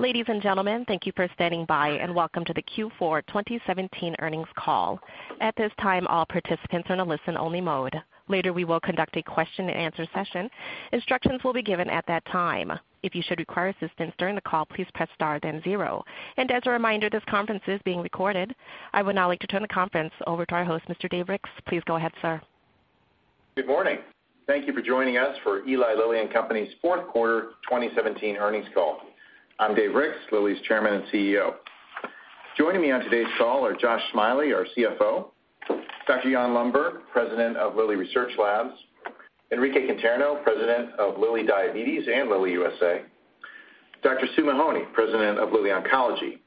Ladies and gentlemen, thank you for standing by, welcome to the Q4 2017 earnings call. At this time, all participants are in a listen-only mode. Later, we will conduct a question and answer session. Instructions will be given at that time. If you should require assistance during the call, please press star then zero. As a reminder, this conference is being recorded. I would now like to turn the conference over to our host, Mr. Dave Ricks. Please go ahead, sir. Good morning. Thank you for joining us for Eli Lilly and Company's fourth quarter 2017 earnings call. I am Dave Ricks, Lilly's chairman and CEO. Joining me on today's call are Josh Smiley, our CFO, Dr. Jan Lundberg, President of Lilly Research Laboratories, Enrique Conterno, President of Lilly Diabetes and Lilly USA, Dr. Sue Mahony, President of Lilly Oncology,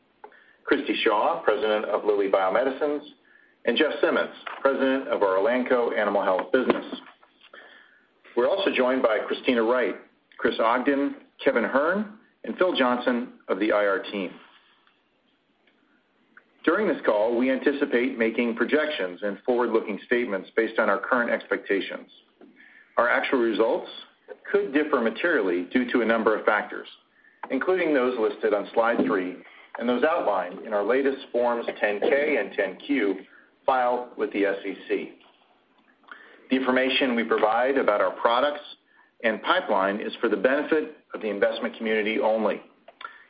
Christi Shaw, President of Lilly Bio-Medicines, and Jeff Simmons, President of our Elanco Animal Health business. We are also joined by Kristina Wright, Chris Ogden, Kevin Hearn, and Phil Johnson of the IR team. During this call, we anticipate making projections and forward-looking statements based on our current expectations. Our actual results could differ materially due to a number of factors, including those listed on slide three and those outlined in our latest Forms 10-K and 10-Q filed with the SEC. The information we provide about our products and pipeline is for the benefit of the investment community only.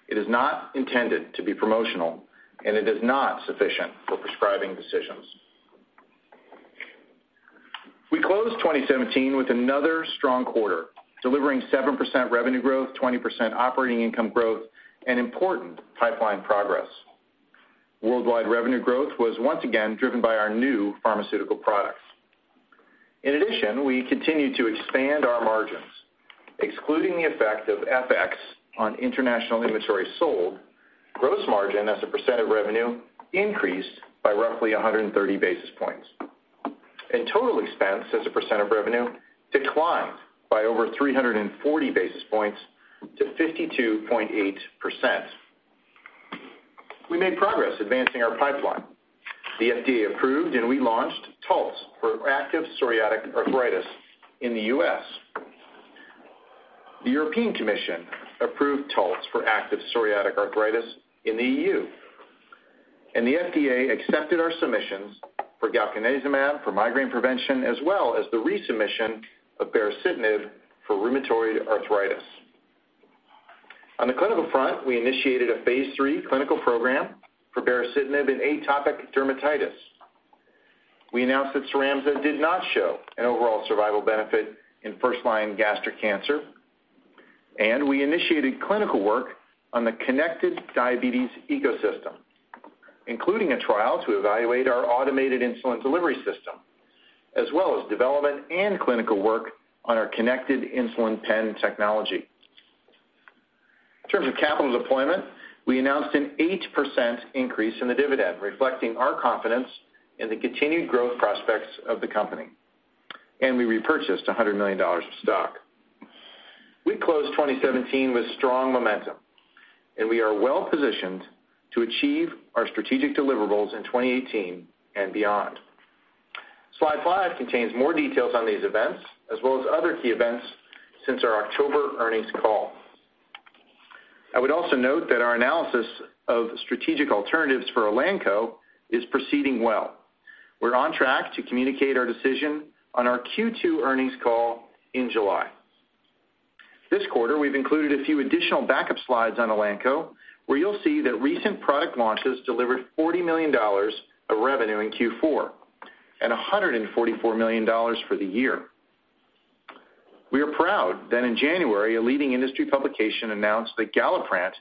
It is not intended to be promotional, and it is not sufficient for prescribing decisions. We closed 2017 with another strong quarter, delivering 7% revenue growth, 20% operating income growth, and important pipeline progress. Worldwide revenue growth was once again driven by our new pharmaceutical products. In addition, we continued to expand our margins. Excluding the effect of FX on international inventory sold, gross margin as a percent of revenue increased by roughly 130 basis points, and total expense as a percent of revenue declined by over 340 basis points to 52.8%. We made progress advancing our pipeline. The FDA approved and we launched Taltz for active psoriatic arthritis in the U.S. The European Commission approved Taltz for active psoriatic arthritis in the EU. The FDA accepted our submissions for galcanezumab for migraine prevention as well as the resubmission of baricitinib for rheumatoid arthritis. On the clinical front, we initiated a phase III clinical program for baricitinib in atopic dermatitis. We announced that Cyramza did not show an overall survival benefit in first-line gastric cancer. We initiated clinical work on the connected diabetes ecosystem, including a trial to evaluate our automated insulin delivery system as well as development and clinical work on our connected insulin pen technology. In terms of capital deployment, we announced an 8% increase in the dividend, reflecting our confidence in the continued growth prospects of the company. We repurchased $100 million of stock. We closed 2017 with strong momentum, and we are well-positioned to achieve our strategic deliverables in 2018 and beyond. Slide five contains more details on these events, as well as other key events since our October earnings call. I would also note that our analysis of strategic alternatives for Elanco is proceeding well. We're on track to communicate our decision on our Q2 earnings call in July. This quarter, we've included a few additional backup slides on Elanco, where you'll see that recent product launches delivered $40 million of revenue in Q4 and $144 million for the year. We are proud that in January, a leading industry publication announced that Galliprant,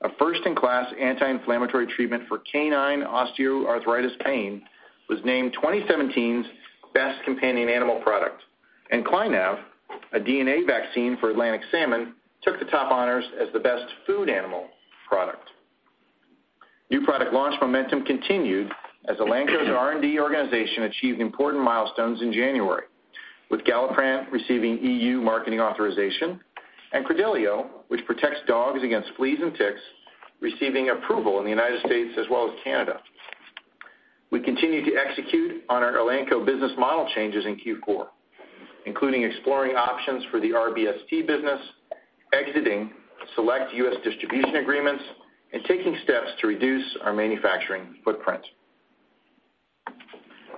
a first-in-class anti-inflammatory treatment for canine osteoarthritis pain, was named 2017's Best Companion Animal Product, and CLYNAV, a DNA vaccine for Atlantic salmon, took the top honors as the Best Food Animal Product. New product launch momentum continued as Elanco's R&D organization achieved important milestones in January, with Galliprant receiving EU marketing authorization and Credelio, which protects dogs against fleas and ticks, receiving approval in the U.S. as well as Canada. We continued to execute on our Elanco business model changes in Q4, including exploring options for the rBST business, exiting select U.S. distribution agreements, and taking steps to reduce our manufacturing footprint.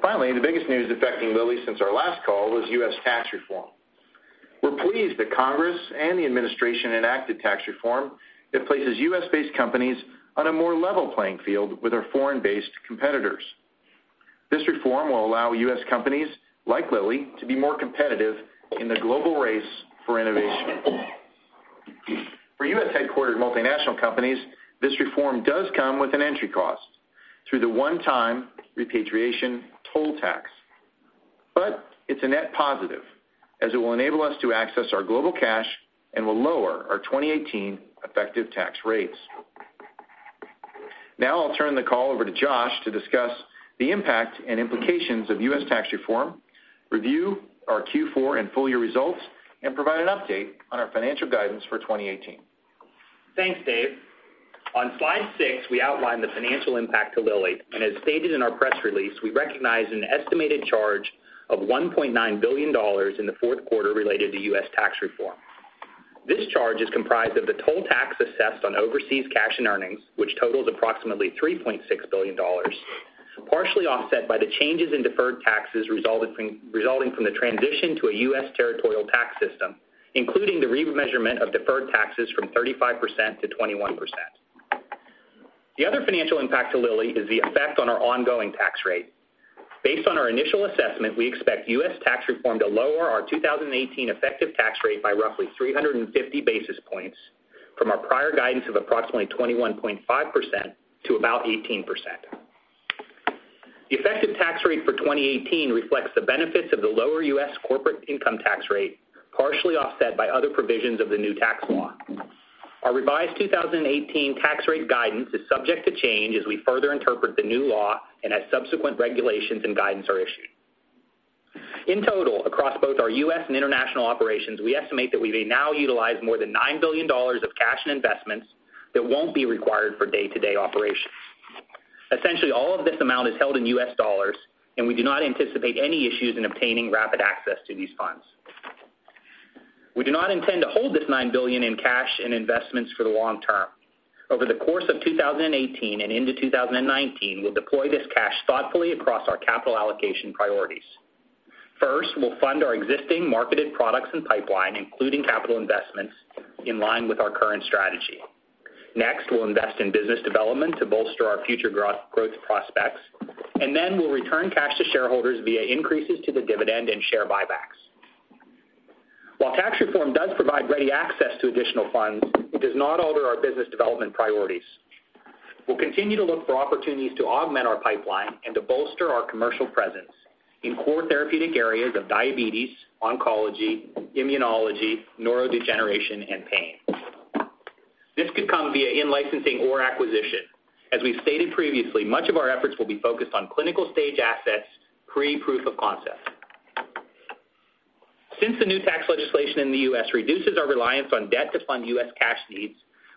Finally, the biggest news affecting Lilly since our last call was U.S. tax reform. We're pleased that Congress and the administration enacted tax reform that places U.S.-based companies on a more level playing field with our foreign-based competitors. This reform will allow U.S. companies like Lilly to be more competitive in the global race for innovation. For U.S.-headquartered multinational companies, this reform does come with an entry cost through the one-time repatriation toll tax. It's a net positive, as it will enable us to access our global cash and will lower our 2018 effective tax rates. Now I'll turn the call over to Josh to discuss the impact and implications of U.S. tax reform, review our Q4 and full-year results, and provide an update on our financial guidance for 2018. Thanks, Dave. On Slide six, we outline the financial impact to Lilly, as stated in our press release, we recognized an estimated charge Of $1.9 billion in the fourth quarter related to U.S. tax reform. This charge is comprised of the toll tax assessed on overseas cash and earnings, which totals approximately $3.6 billion, partially offset by the changes in deferred taxes resulting from the transition to a U.S. territorial tax system, including the remeasurement of deferred taxes from 35% to 21%. The other financial impact to Lilly is the effect on our ongoing tax rate. Based on our initial assessment, we expect U.S. tax reform to lower our 2018 effective tax rate by roughly 350 basis points from our prior guidance of approximately 21.5% to about 18%. The effective tax rate for 2018 reflects the benefits of the lower U.S. corporate income tax rate, partially offset by other provisions of the new tax law. Our revised 2018 tax rate guidance is subject to change as we further interpret the new law and as subsequent regulations and guidance are issued. In total, across both our U.S. and international operations, we estimate that we may now utilize more than $9 billion of cash and investments that won't be required for day-to-day operations. Essentially, all of this amount is held in U.S. dollars, and we do not anticipate any issues in obtaining rapid access to these funds. We do not intend to hold this $9 billion in cash and investments for the long term. Over the course of 2018 and into 2019, we'll deploy this cash thoughtfully across our capital allocation priorities. First, we'll fund our existing marketed products and pipeline, including capital investments, in line with our current strategy. Next, we'll invest in business development to bolster our future growth prospects. We'll return cash to shareholders via increases to the dividend and share buybacks. While tax reform does provide ready access to additional funds, it does not alter our business development priorities. We'll continue to look for opportunities to augment our pipeline and to bolster our commercial presence in core therapeutic areas of diabetes, oncology, immunology, neurodegeneration, and pain. This could come via in-licensing or acquisition. As we've stated previously, much of our efforts will be focused on clinical stage assets, pre-proof of concept. Since the new tax legislation in the U.S. reduces our reliance on debt to fund U.S. cash needs,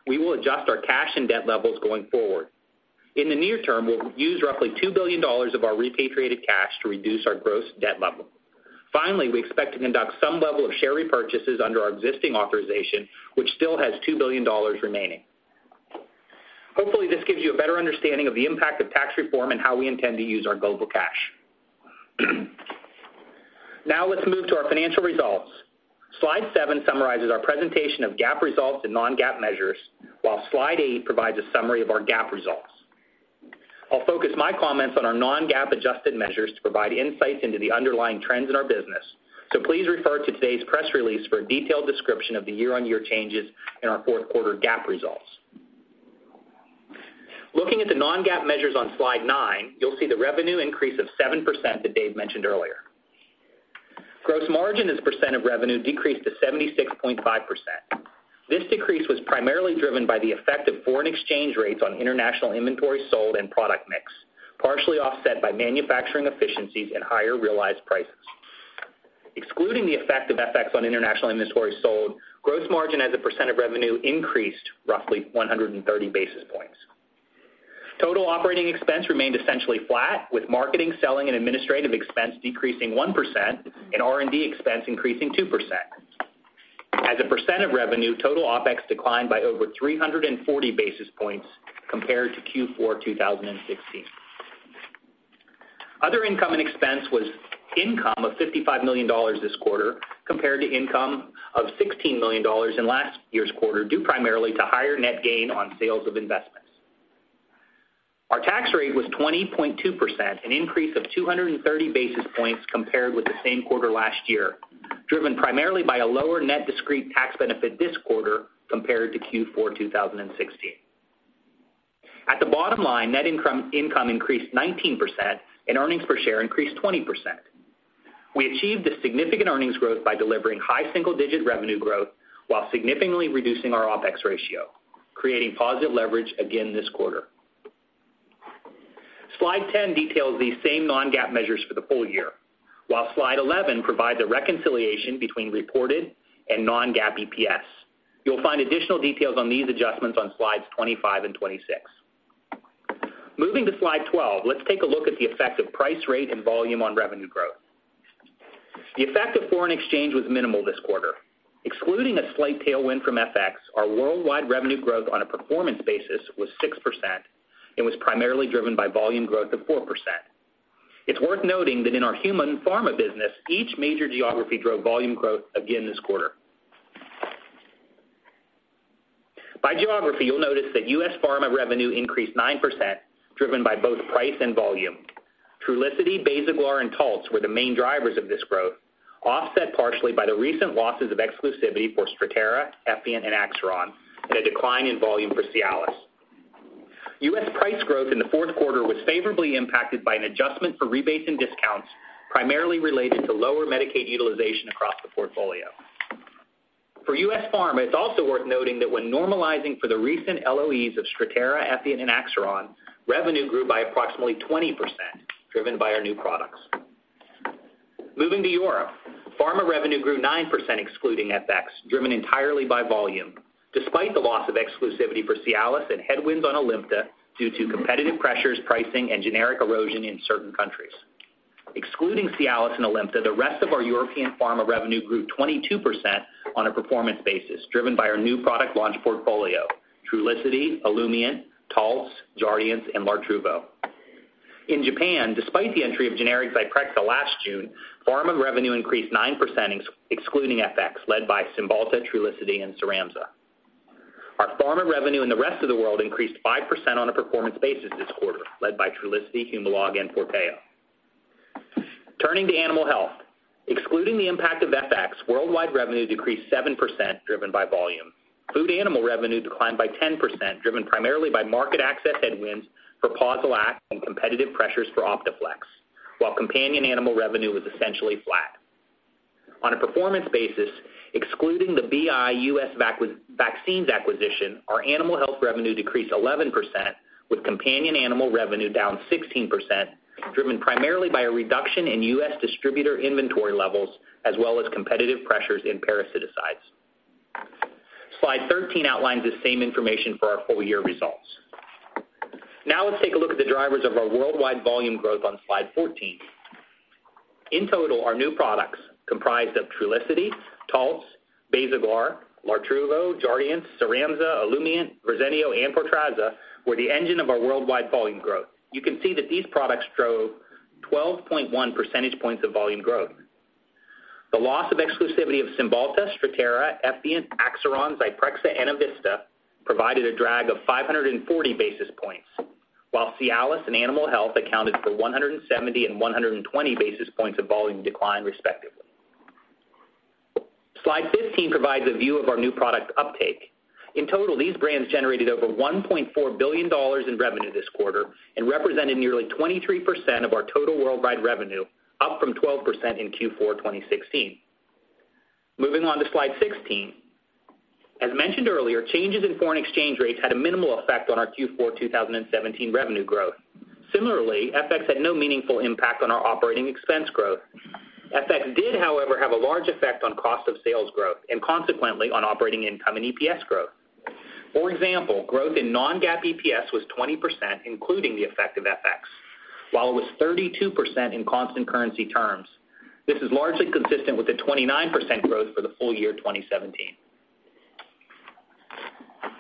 we will adjust our cash and debt levels going forward. In the near term, we'll use roughly $2 billion of our repatriated cash to reduce our gross debt level. Finally, we expect to conduct some level of share repurchases under our existing authorization, which still has $2 billion remaining. Hopefully, this gives you a better understanding of the impact of tax reform and how we intend to use our global cash. Now, let's move to our financial results. Slide seven summarizes our presentation of GAAP results and non-GAAP measures, while Slide eight provides a summary of our GAAP results. I'll focus my comments on our non-GAAP adjusted measures to provide insights into the underlying trends in our business. Please refer to today's press release for a detailed description of the year-on-year changes in our fourth quarter GAAP results. Looking at the non-GAAP measures on Slide nine, you'll see the revenue increase of 7% that Dave mentioned earlier. Gross margin as a percent of revenue decreased to 76.5%. This decrease was primarily driven by the effect of foreign exchange rates on international inventory sold and product mix, partially offset by manufacturing efficiencies and higher realized prices. Excluding the effect of FX on international inventories sold, gross margin as a percent of revenue increased roughly 130 basis points. Total operating expense remained essentially flat, with marketing, selling, and administrative expense decreasing 1% and R&D expense increasing 2%. As a percent of revenue, total OpEx declined by over 340 basis points compared to Q4 2016. Other income and expense was income of $55 million this quarter, compared to income of $16 million in last year's quarter, due primarily to higher net gain on sales of investments. Our tax rate was 20.2%, an increase of 230 basis points compared with the same quarter last year, driven primarily by a lower net discrete tax benefit this quarter compared to Q4 2016. At the bottom line, net income increased 19%, and earnings per share increased 20%. We achieved this significant earnings growth by delivering high single-digit revenue growth while significantly reducing our OpEx ratio, creating positive leverage again this quarter. Slide 10 details these same non-GAAP measures for the full year, while Slide 11 provides a reconciliation between reported and non-GAAP EPS. You'll find additional details on these adjustments on Slides 25 and 26. Moving to Slide 12, let's take a look at the effect of price rate and volume on revenue growth. The effect of foreign exchange was minimal this quarter. Excluding a slight tailwind from FX, our worldwide revenue growth on a performance basis was 6% and was primarily driven by volume growth of 4%. It's worth noting that in our human pharma business, each major geography drove volume growth again this quarter. By geography, you'll notice that U.S. pharma revenue increased 9%, driven by both price and volume. Trulicity, Basaglar, and Taltz were the main drivers of this growth, offset partially by the recent losses of exclusivity for Strattera, Effient, and Axiron, and a decline in volume for Cialis. U.S. price growth in the fourth quarter was favorably impacted by an adjustment for rebates and discounts, primarily related to lower Medicaid utilization across the portfolio. For U.S. pharma, it's also worth noting that when normalizing for the recent LOEs of Strattera, Effient, and Axiron, revenue grew by approximately 20%, driven by our new products. Moving to Europe, pharma revenue grew 9% excluding FX, driven entirely by volume. Despite the loss of exclusivity for Cialis and headwinds on Alimta due to competitive pressures, pricing, and generic erosion in certain countries. Excluding Cialis and Alimta, the rest of our European pharma revenue grew 22% on a performance basis, driven by our new product launch portfolio, Trulicity, Olumiant, Taltz, Jardiance, and Lartruvo. In Japan, despite the entry of generic Zyprexa last June, pharma revenue increased 9% excluding FX, led by Cymbalta, Trulicity, and Cyramza. Our pharma revenue in the rest of the world increased 5% on a performance basis this quarter, led by Trulicity, Humalog, and Forteo. Turning to animal health, excluding the impact of FX, worldwide revenue decreased 7%, driven by volume. Food animal revenue declined by 10%, driven primarily by market access headwinds for Posilac and competitive pressures for Optaflexx, while companion animal revenue was essentially flat. On a performance basis, excluding the BI U.S. vaccines acquisition, our animal health revenue decreased 11%, with companion animal revenue down 16%, driven primarily by a reduction in U.S. distributor inventory levels, as well as competitive pressures in parasiticides. Slide 13 outlines the same information for our full-year results. Let's take a look at the drivers of our worldwide volume growth on slide 14. In total, our new products, comprised of Trulicity, Taltz, Basaglar, Lartruvo, Jardiance, Cyramza, Olumiant, Verzenio, and Portrazza, were the engine of our worldwide volume growth. You can see that these products drove 12.1 percentage points of volume growth. The loss of exclusivity of Cymbalta, Strattera, Effient, Axiron, Zyprexa, and Evista provided a drag of 540 basis points, while Cialis and animal health accounted for 170 and 120 basis points of volume decline, respectively. Slide 15 provides a view of our new product uptake. In total, these brands generated over $1.4 billion in revenue this quarter and represented nearly 23% of our total worldwide revenue, up from 12% in Q4 2016. Moving on to slide 16. As mentioned earlier, changes in foreign exchange rates had a minimal effect on our Q4 2017 revenue growth. Similarly, FX had no meaningful impact on our operating expense growth. FX did, however, have a large effect on cost of sales growth and consequently on operating income and EPS growth. For example, growth in non-GAAP EPS was 20%, including the effect of FX, while it was 32% in constant currency terms. This is largely consistent with the 29% growth for the full year 2017.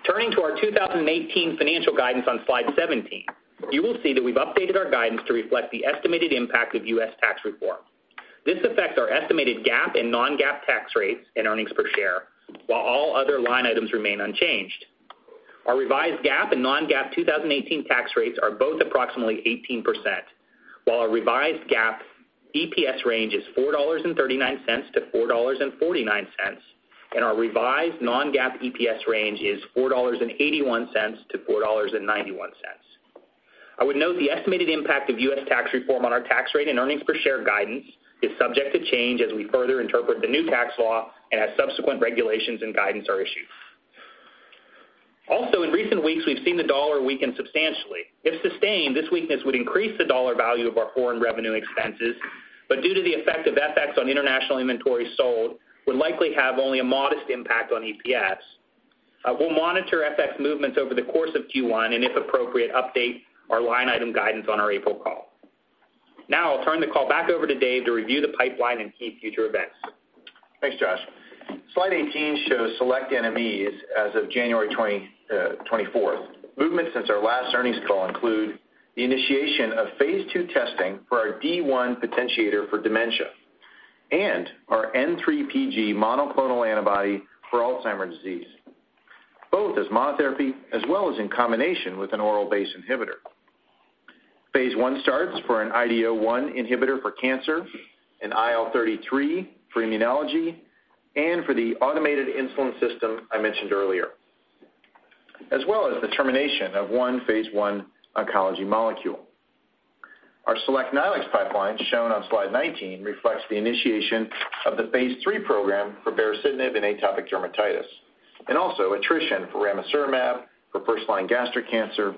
Turning to our 2018 financial guidance on slide 17, you will see that we've updated our guidance to reflect the estimated impact of U.S. tax reform. This affects our estimated GAAP and non-GAAP tax rates and earnings per share, while all other line items remain unchanged. Our revised GAAP and non-GAAP 2018 tax rates are both approximately 18%, while our revised GAAP EPS range is $4.39-$4.49, and our revised non-GAAP EPS range is $4.81-$4.91. I would note the estimated impact of U.S. tax reform on our tax rate and earnings per share guidance is subject to change as we further interpret the new tax law and as subsequent regulations and guidance are issued. Also, in recent weeks, we've seen the dollar weaken substantially. If sustained, this weakness would increase the dollar value of our foreign revenue expenses, but due to the effect of FX on international inventory sold, would likely have only a modest impact on EPS. We'll monitor FX movements over the course of Q1, and if appropriate, update our line item guidance on our April call. I'll turn the call back over to Dave to review the pipeline and key future events. Thanks, Josh. Slide 18 shows select NMEs as of January 24th. Movements since our last earnings call include the initiation of phase II testing for our D1 potentiator for dementia and our N3pG monoclonal antibody for Alzheimer's disease, both as monotherapy as well as in combination with an oral BACE inhibitor. Phase I starts for an IDO1 inhibitor for cancer, an IL-33 for immunology, and for the automated insulin system I mentioned earlier. As well as the termination of one phase I oncology molecule. Our select NME/LOE pipeline, shown on slide 19, reflects the initiation of the phase III program for baricitinib in atopic dermatitis, and also attrition for ramucirumab for first-line gastric cancer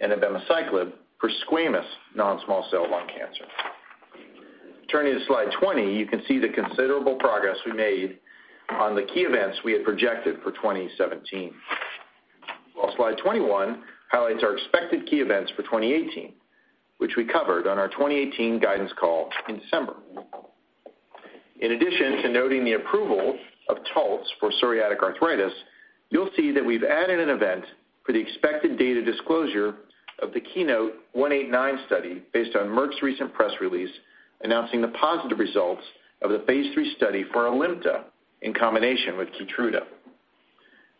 and abemaciclib for squamous non-small cell lung cancer. Turning to slide 20, you can see the considerable progress we made on the key events we had projected for 2017, while slide 21 highlights our expected key events for 2018, which we covered on our 2018 guidance call in December. In addition to noting the approval of Taltz for psoriatic arthritis, you'll see that we've added an event for the expected data disclosure of the KEYNOTE-189 study based on Merck's recent press release announcing the positive results of the phase III study for Alimta in combination with Keytruda.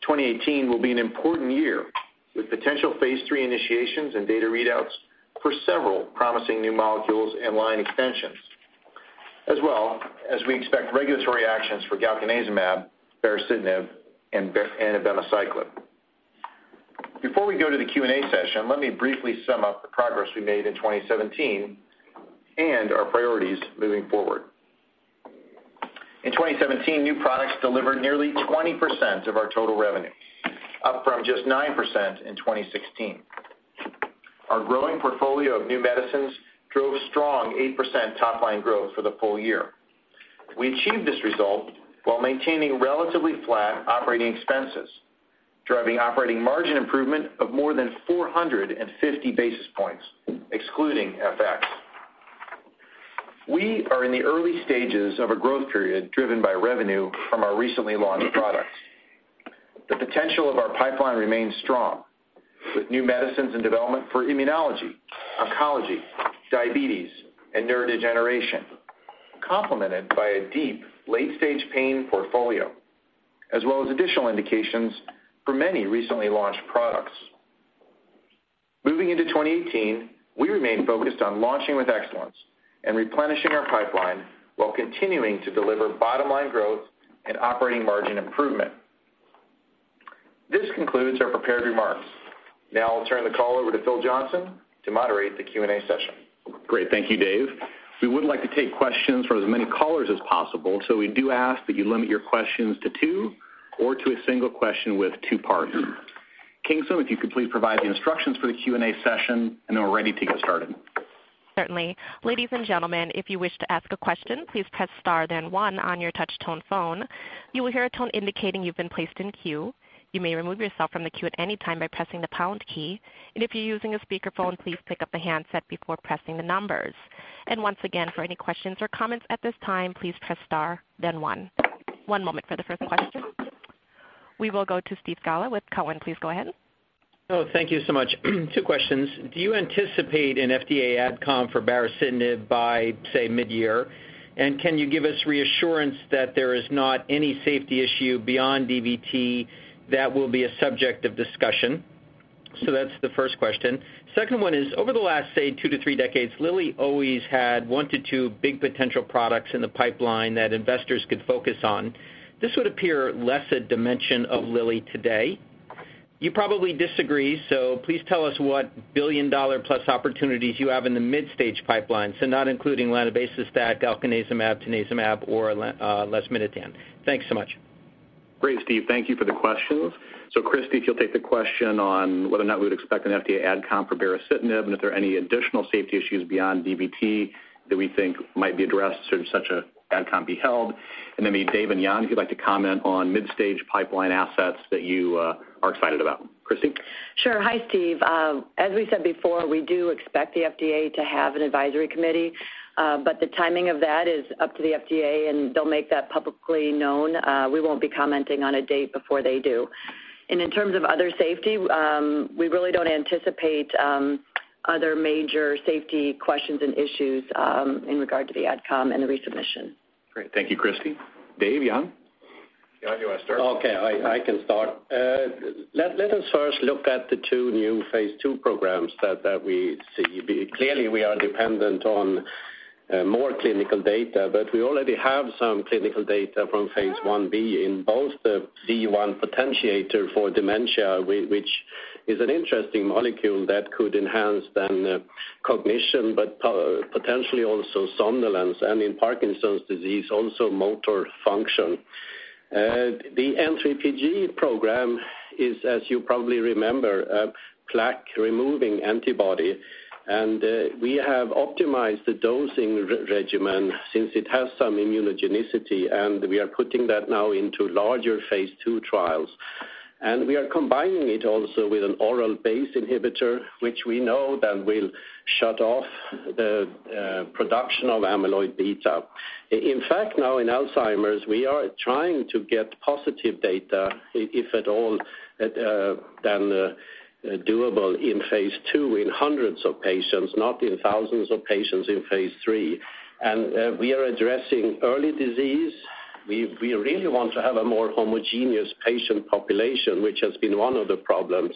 2018 will be an important year with potential phase III initiations and data readouts for several promising new molecules and line extensions, as well as we expect regulatory actions for galcanezumab, baricitinib, and abemaciclib. Before we go to the Q&A session, let me briefly sum up the progress we made in 2017 and our priorities moving forward. In 2017, new products delivered nearly 20% of our total revenue, up from just 9% in 2016. Our growing portfolio of new medicines drove strong 8% top-line growth for the full year. We achieved this result while maintaining relatively flat operating expenses, driving operating margin improvement of more than 450 basis points, excluding FX. We are in the early stages of a growth period driven by revenue from our recently launched products. The potential of our pipeline remains strong, with new medicines and development for immunology, oncology, diabetes, and neurodegeneration, complemented by a deep late-stage pain portfolio, as well as additional indications for many recently launched products. Moving into 2018, we remain focused on launching with excellence and replenishing our pipeline while continuing to deliver bottom-line growth and operating margin improvement. This concludes our prepared remarks. Now I'll turn the call over to Phil Johnson to moderate the Q&A session. Great. Thank you, Dave. We would like to take questions from as many callers as possible, so we do ask that you limit your questions to two or to a single question with two parts. Kingston, if you could please provide the instructions for the Q&A session, we're ready to get started. Certainly. Ladies and gentlemen, if you wish to ask a question, please press star then one on your touch tone phone. You will hear a tone indicating you've been placed in queue. You may remove yourself from the queue at any time by pressing the pound key. If you're using a speakerphone, please pick up the handset before pressing the numbers. Once again, for any questions or comments at this time, please press star then one. One moment for the first question. We will go to Steve Scala with Cowen. Please go ahead. Thank you so much. Two questions. Do you anticipate an FDA AdCom for baricitinib by, say, mid-year? Can you give us reassurance that there is not any safety issue beyond DVT that will be a subject of discussion? That's the first question. Second one is, over the last, say, two to three decades, Lilly always had one to two big potential products in the pipeline that investors could focus on. This would appear less a dimension of Lilly today. You probably disagree, so please tell us what billion-dollar plus opportunities you have in the mid-stage pipeline. Not including lanabecestat, galcanezumab, tanezumab, or lasmiditan. Thanks so much. Great, Steve. Thank you for the questions. Christi, if you'll take the question on whether or not we would expect an FDA AdCom for baricitinib, if there are any additional safety issues beyond DVT that we think might be addressed should such an AdCom be held. Maybe Dave and Jan, if you'd like to comment on mid-stage pipeline assets that you are excited about. Christi? Sure. Hi, Steve. As we said before, we do expect the FDA to have an advisory committee, but the timing of that is up to the FDA, and they'll make that publicly known. We won't be commenting on a date before they do. In terms of other safety, we really don't anticipate other major safety questions and issues in regard to the AdCom and the resubmission. Great. Thank you, Christi. Dave, Jan? Jan, you want to start? Okay, I can start. Let us first look at the two new phase II programs that we see. Clearly, we are dependent on more clinical data, but we already have some clinical data from phase I-B in both the D1 potentiator for dementia, which is an interesting molecule that could enhance the cognition, but potentially also somnolence and in Parkinson's disease, also motor function. The N3pG program is, as you probably remember, a plaque-removing antibody, and we have optimized the dosing regimen since it has some immunogenicity, and we are putting that now into larger phase II trials. We are combining it also with an oral BACE inhibitor, which we know then will shut off the production of amyloid beta. In fact, now in Alzheimer's, we are trying to get positive data, if at all than doable in phase II in hundreds of patients, not in thousands of patients in phase III. We are addressing early disease. We really want to have a more homogeneous patient population, which has been one of the problems.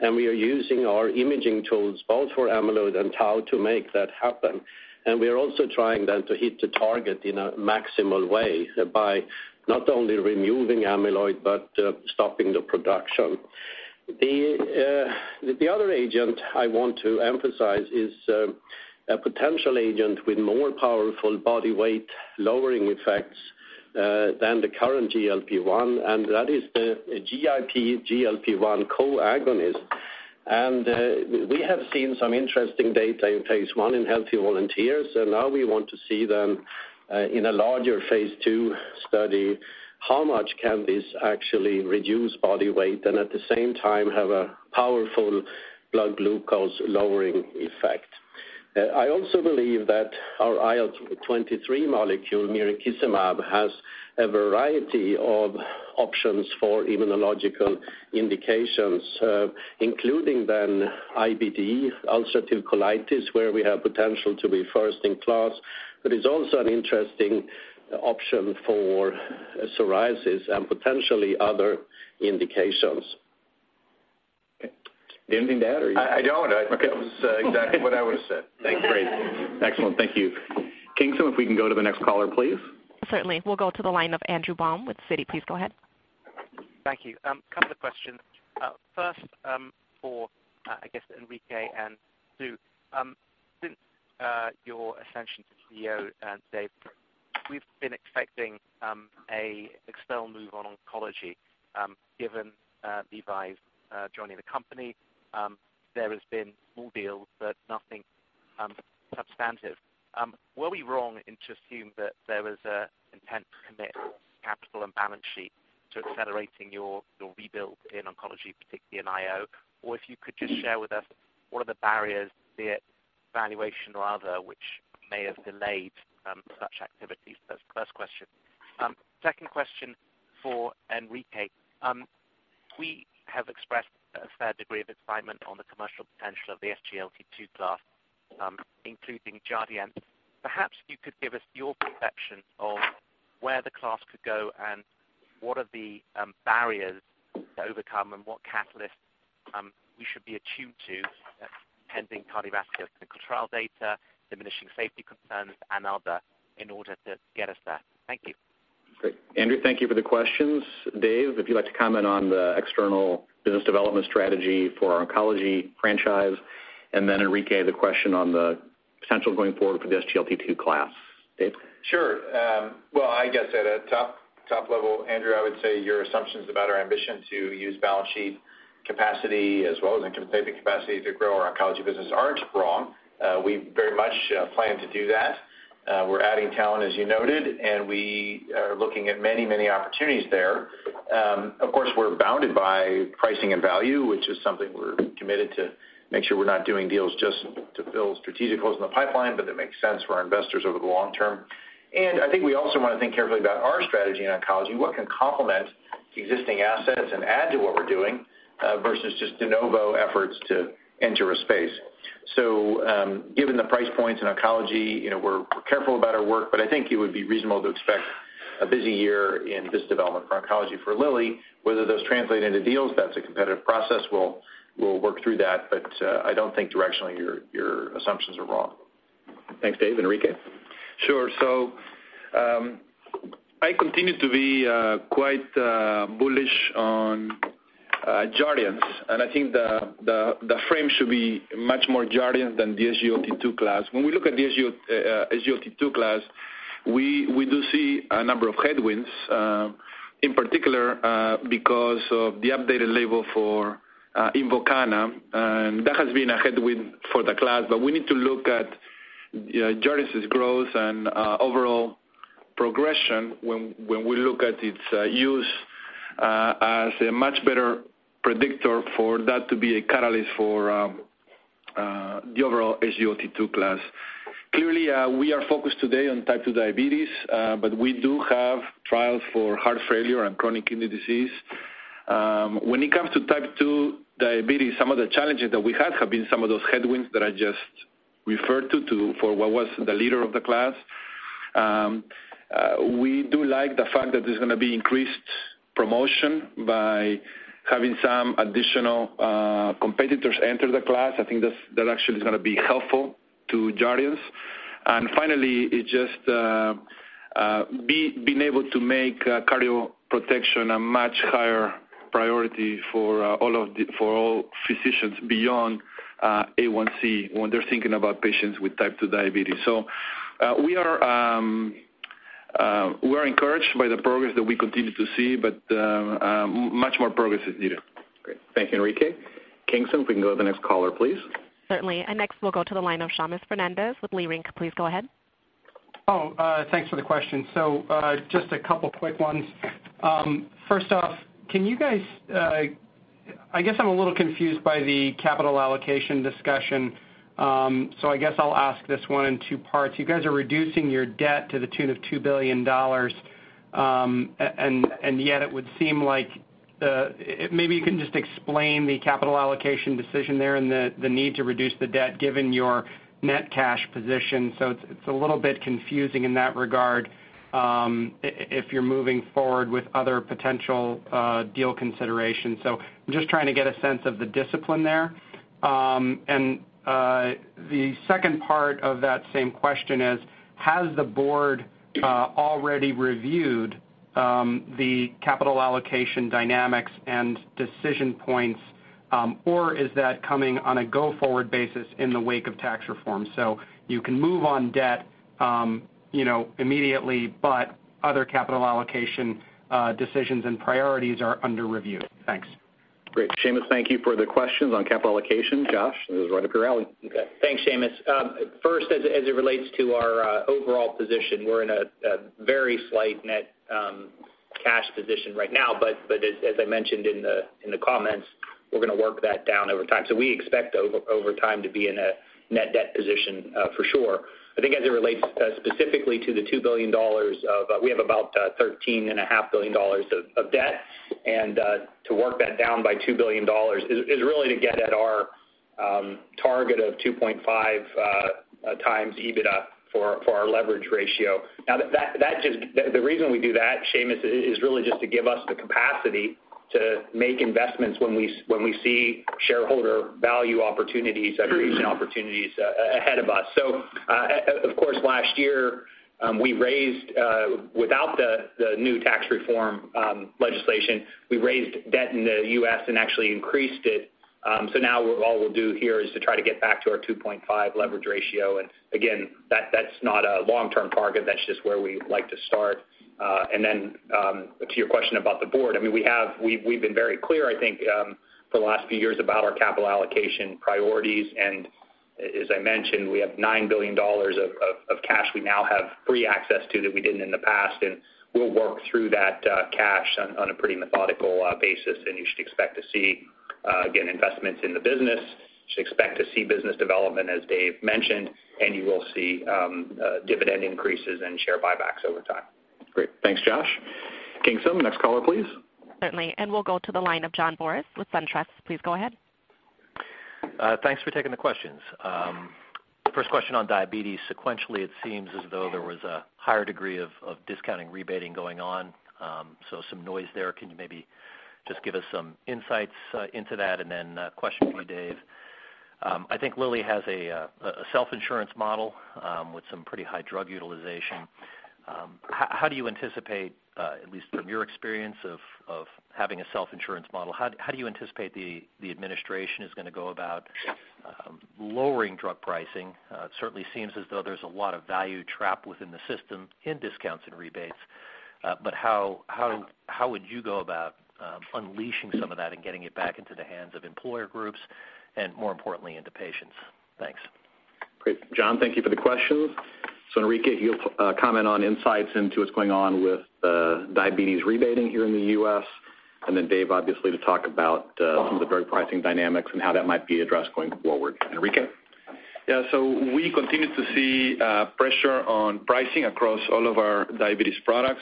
We are using our imaging tools both for amyloid and tau to make that happen. We are also trying then to hit the target in a maximal way by not only removing amyloid but stopping the production. The other agent I want to emphasize is a potential agent with more powerful body weight lowering effects than the current GLP-1, and that is the GIP/GLP-1 receptor agonist. We have seen some interesting data in phase I in healthy volunteers. Now we want to see them in a larger phase II study. How much can this actually reduce body weight and at the same time have a powerful blood glucose lowering effect? I also believe that our IL-23 molecule, mirikizumab, has a variety of options for immunological indications, including then IBD, ulcerative colitis, where we have potential to be first in class, but is also an interesting option for psoriasis and potentially other indications. Anything to add or you? I don't. Okay. That was exactly what I would've said. Thanks. Great. Excellent. Thank you. Kingston, if we can go to the next caller, please. Certainly. We'll go to the line of Andrew Baum with Citi. Please go ahead. Thank you. Couple of questions. First for, I guess, Enrique and Sue. Since your ascension to CEO, Dave We've been expecting a external move on oncology given Levi joining the company. There has been small deals, but nothing substantive. Were we wrong in to assume that there was an intent to commit capital and balance sheet to accelerating your rebuild in oncology, particularly in IO? If you could just share with us what are the barriers, be it valuation or other, which may have delayed such activities? That's the first question. Second question for Enrique. We have expressed a fair degree of excitement on the commercial potential of the SGLT2 class including Jardiance. Perhaps you could give us your perception of where the class could go, and what are the barriers to overcome, and what catalysts we should be attuned to pending cardiovascular clinical trial data, diminishing safety concerns, and other in order to get us there. Thank you. Great. Andrew, thank you for the questions. Dave, if you'd like to comment on the external business development strategy for our oncology franchise. Then Enrique, the question on the potential going forward for the SGLT2 class. Dave? Sure. Well, I guess at a top level, Andrew, I would say your assumptions about our ambition to use balance sheet capacity as well as M&A capacity to grow our oncology business aren't wrong. We very much plan to do that. We're adding talent, as you noted, and we are looking at many opportunities there. Of course, we're bounded by pricing and value, which is something we're committed to make sure we're not doing deals just to fill strategic holes in the pipeline, but that makes sense for our investors over the long term. I think we also want to think carefully about our strategy in oncology. What can complement the existing assets and add to what we're doing versus just de novo efforts to enter a space. Given the price points in oncology, we're careful about our work, but I think it would be reasonable to expect a busy year in this development for oncology for Lilly. Whether those translate into deals, that's a competitive process. We'll work through that. I don't think directionally your assumptions are wrong. Thanks, Dave. Enrique? Sure. I continue to be quite bullish on Jardiance, and I think the frame should be much more Jardiance than the SGLT2 class. When we look at the SGLT2 class, we do see a number of headwinds, in particular because of the updated label for Invokana. That has been a headwind for the class, but we need to look at Jardiance's growth and overall progression when we look at its use as a much better predictor for that to be a catalyst for the overall SGLT2 class. Clearly, we are focused today on type 2 diabetes, but we do have trials for heart failure and chronic kidney disease. When it comes to type 2 diabetes, some of the challenges that we had have been some of those headwinds that I just referred to for what was the leader of the class. We do like the fact that there's going to be increased promotion by having some additional competitors enter the class. I think that actually is going to be helpful to Jardiance. Finally, it's just being able to make cardio protection a much higher priority for all physicians beyond A1c when they're thinking about patients with type 2 diabetes. We are encouraged by the progress that we continue to see, but much more progress is needed. Great. Thank you, Enrique. Kingston, if we can go to the next caller, please. Certainly. Next, we'll go to the line of Seamus Fernandez with Leerink. Please go ahead. Thanks for the question. Just a couple quick ones. First off, I guess I'm a little confused by the capital allocation discussion. I guess I'll ask this one in two parts. You guys are reducing your debt to the tune of $2 billion, and yet maybe you can just explain the capital allocation decision there and the need to reduce the debt given your net cash position. It's a little bit confusing in that regard if you're moving forward with other potential deal considerations. I'm just trying to get a sense of the discipline there. The second part of that same question is, has the board already reviewed the capital allocation dynamics and decision points, or is that coming on a go-forward basis in the wake of tax reform? You can move on debt immediately, but other capital allocation decisions and priorities are under review. Thanks. Great. Seamus, thank you for the questions on capital allocation. Josh, this is right up your alley. Okay. Thanks, Seamus. First, as it relates to our overall position, we're in a very slight net cash position right now, but as I mentioned in the comments, we're going to work that down over time. We expect over time to be in a net debt position for sure. I think as it relates specifically, we have about $13.5 billion of debt, and to work that down by $2 billion is really to get at our target of 2.5 times EBITDA for our leverage ratio. The reason we do that, Seamus, is really just to give us the capacity to make investments when we see shareholder value opportunities and creation opportunities ahead of us. Of course, last year, without the new tax reform legislation, we raised debt in the U.S. and actually increased it. Now all we'll do here is to try to get back to our 2.5 leverage ratio. Again, that's not a long-term target. That's just where we like to start. Then to your question about the board, we've been very clear, I think, for the last few years about our capital allocation priorities. As I mentioned, we have $9 billion of cash we now have free access to that we didn't in the past, and we'll work through that cash on a pretty methodical basis. You should expect to see, again, investments in the business. You should expect to see business development, as Dave mentioned, and you will see dividend increases and share buybacks over time. Great. Thanks, Josh. Kingston, next caller, please. Certainly, we'll go to the line of John Boris with SunTrust. Please go ahead. Thanks for taking the questions. First question on diabetes. Sequentially, it seems as though there was a higher degree of discounting rebating going on. Some noise there. Can you maybe just give us some insights into that? Then a question for you, Dave. I think Lilly has a self-insurance model with some pretty high drug utilization. How do you anticipate, at least from your experience of having a self-insurance model, how do you anticipate the administration is going to go about lowering drug pricing? It certainly seems as though there's a lot of value trapped within the system in discounts and rebates. How would you go about unleashing some of that and getting it back into the hands of employer groups and, more importantly, into patients? Thanks. Great. John, thank you for the questions. Enrique, you'll comment on insights into what's going on with the diabetes rebating here in the U.S., and then Dave, obviously, to talk about some of the drug pricing dynamics and how that might be addressed going forward. Enrique? Yeah. We continue to see pressure on pricing across all of our diabetes products.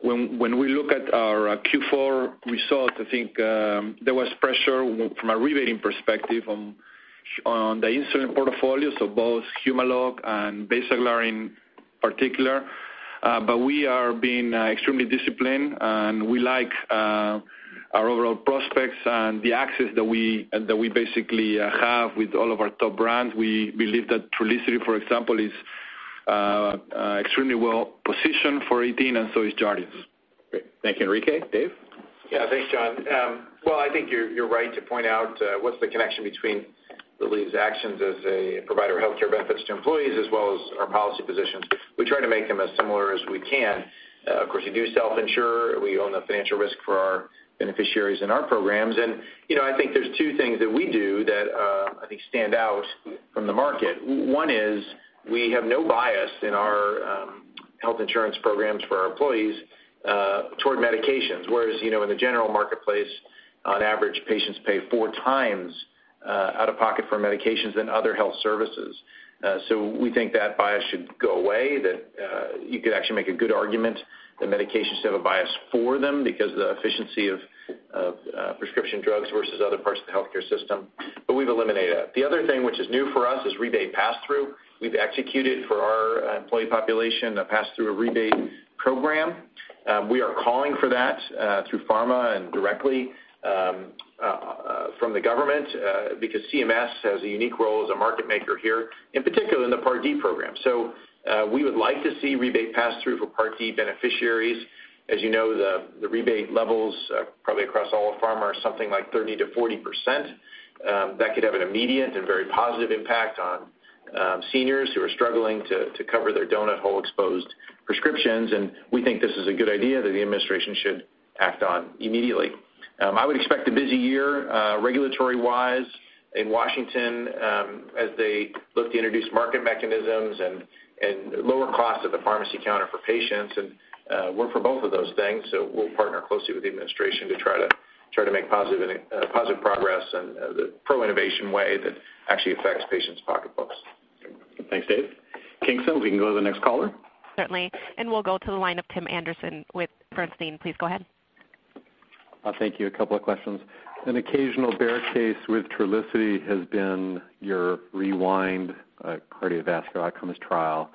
When we look at our Q4 results, I think there was pressure from a rebating perspective on the insulin portfolio, both Humalog and Basaglar in particular. We are being extremely disciplined, and we like our overall prospects and the access that we basically have with all of our top brands. We believe that Trulicity, for example, is extremely well-positioned for 2018, and so is Jardiance. Great. Thank you, Enrique. Dave? Yeah. Thanks, John. Well, I think you're right to point out what's the connection between Lilly's actions as a provider of healthcare benefits to employees as well as our policy positions. We try to make them as similar as we can. Of course, we do self-insure. We own the financial risk for our beneficiaries in our programs. I think there's two things that we do that I think stand out from the market. One is we have no bias in our health insurance programs for our employees toward medications. Whereas, in the general marketplace, on average, patients pay four times out of pocket for medications than other health services. We think that bias should go away, that you could actually make a good argument that medications have a bias for them because of the efficiency of prescription drugs versus other parts of the healthcare system. We've eliminated that. The other thing which is new for us is rebate passthrough. We've executed for our employee population a passthrough rebate program. We are calling for that through pharma and directly from the government because CMS has a unique role as a market maker here, in particular in the Part D program. We would like to see rebate passthrough for Part D beneficiaries. As you know, the rebate levels probably across all of pharma are something like 30%-40%. That could have an immediate and very positive impact on seniors who are struggling to cover their donut hole exposed prescriptions, and we think this is a good idea that the administration should act on immediately. I would expect a busy year regulatory-wise in Washington as they look to introduce market mechanisms and lower costs at the pharmacy counter for patients, and we're for both of those things. We'll partner closely with the administration to try to make positive progress in the pro-innovation way that actually affects patients' pocketbooks. Thanks, Dave. Kingston, we can go to the next caller. Certainly, we'll go to the line of Tim Anderson with Bernstein. Please go ahead. Thank you. A couple of questions. An occasional bear case with Trulicity has been your REWIND cardiovascular outcomes trial,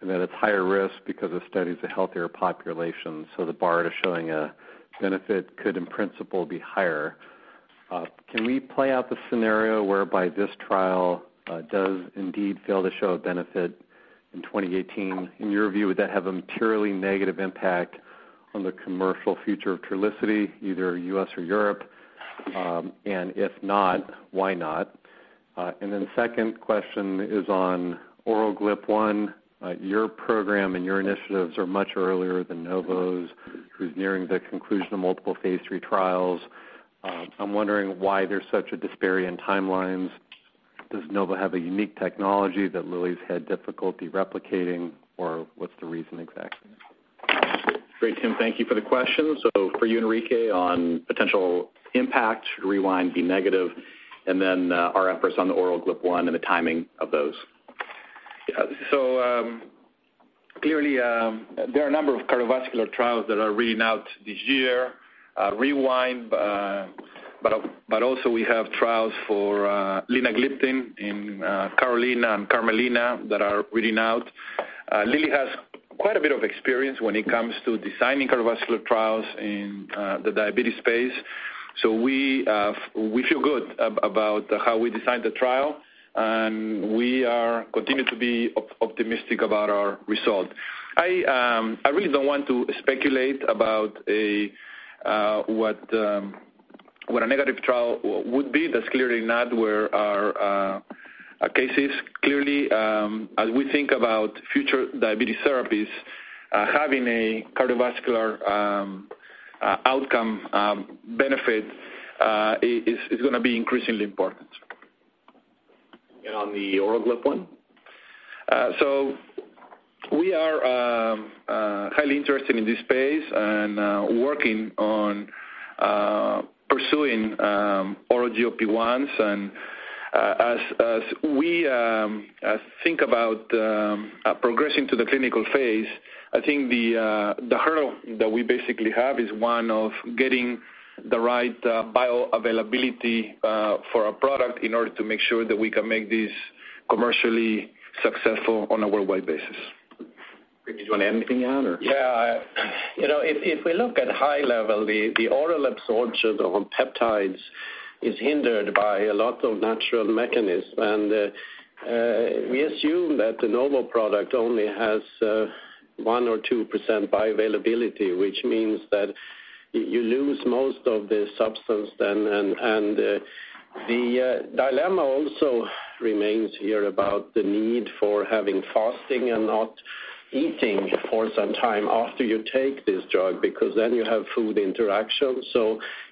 and that it's higher risk because the study is a healthier population, so the bar to showing a benefit could in principle be higher. Can we play out the scenario whereby this trial does indeed fail to show a benefit in 2018? In your view, would that have a materially negative impact on the commercial future of Trulicity, either U.S. or Europe? If not, why not? Second question is on oral GLP-1. Your program and your initiatives are much earlier than Novo's, who's nearing the conclusion of multiple phase III trials. I'm wondering why there's such a disparity in timelines. Does Novo have a unique technology that Lilly's had difficulty replicating, or what's the reason exactly? Great, Tim. Thank you for the question. For you, Enrique, on potential impact should REWIND be negative, and then our efforts on the oral GLP-1 and the timing of those. Clearly, there are a number of cardiovascular trials that are reading out this year, REWIND, but also we have trials for linagliptin in CAROLINA and CARMELINA that are reading out. Lilly has quite a bit of experience when it comes to designing cardiovascular trials in the diabetes space. We feel good about how we designed the trial, and we continue to be optimistic about our result. I really don't want to speculate about what a negative trial would be. That's clearly not where our case is. Clearly, as we think about future diabetes therapies, having a cardiovascular outcome benefit is going to be increasingly important. On the oral GLP-1? We are highly interested in this space and working on pursuing oral GLP-1s. As we think about progressing to the clinical phase, I think the hurdle that we basically have is one of getting the right bioavailability for a product in order to make sure that we can make this commercially successful on a worldwide basis. Enrique, did you want to add anything on, or? Yeah. If we look at high level, the oral absorption of peptides is hindered by a lot of natural mechanisms. We assume that the Novo product only has 1% or 2% bioavailability, which means that you lose most of the substance. The dilemma also remains here about the need for having fasting and not eating for some time after you take this drug, because then you have food interactions.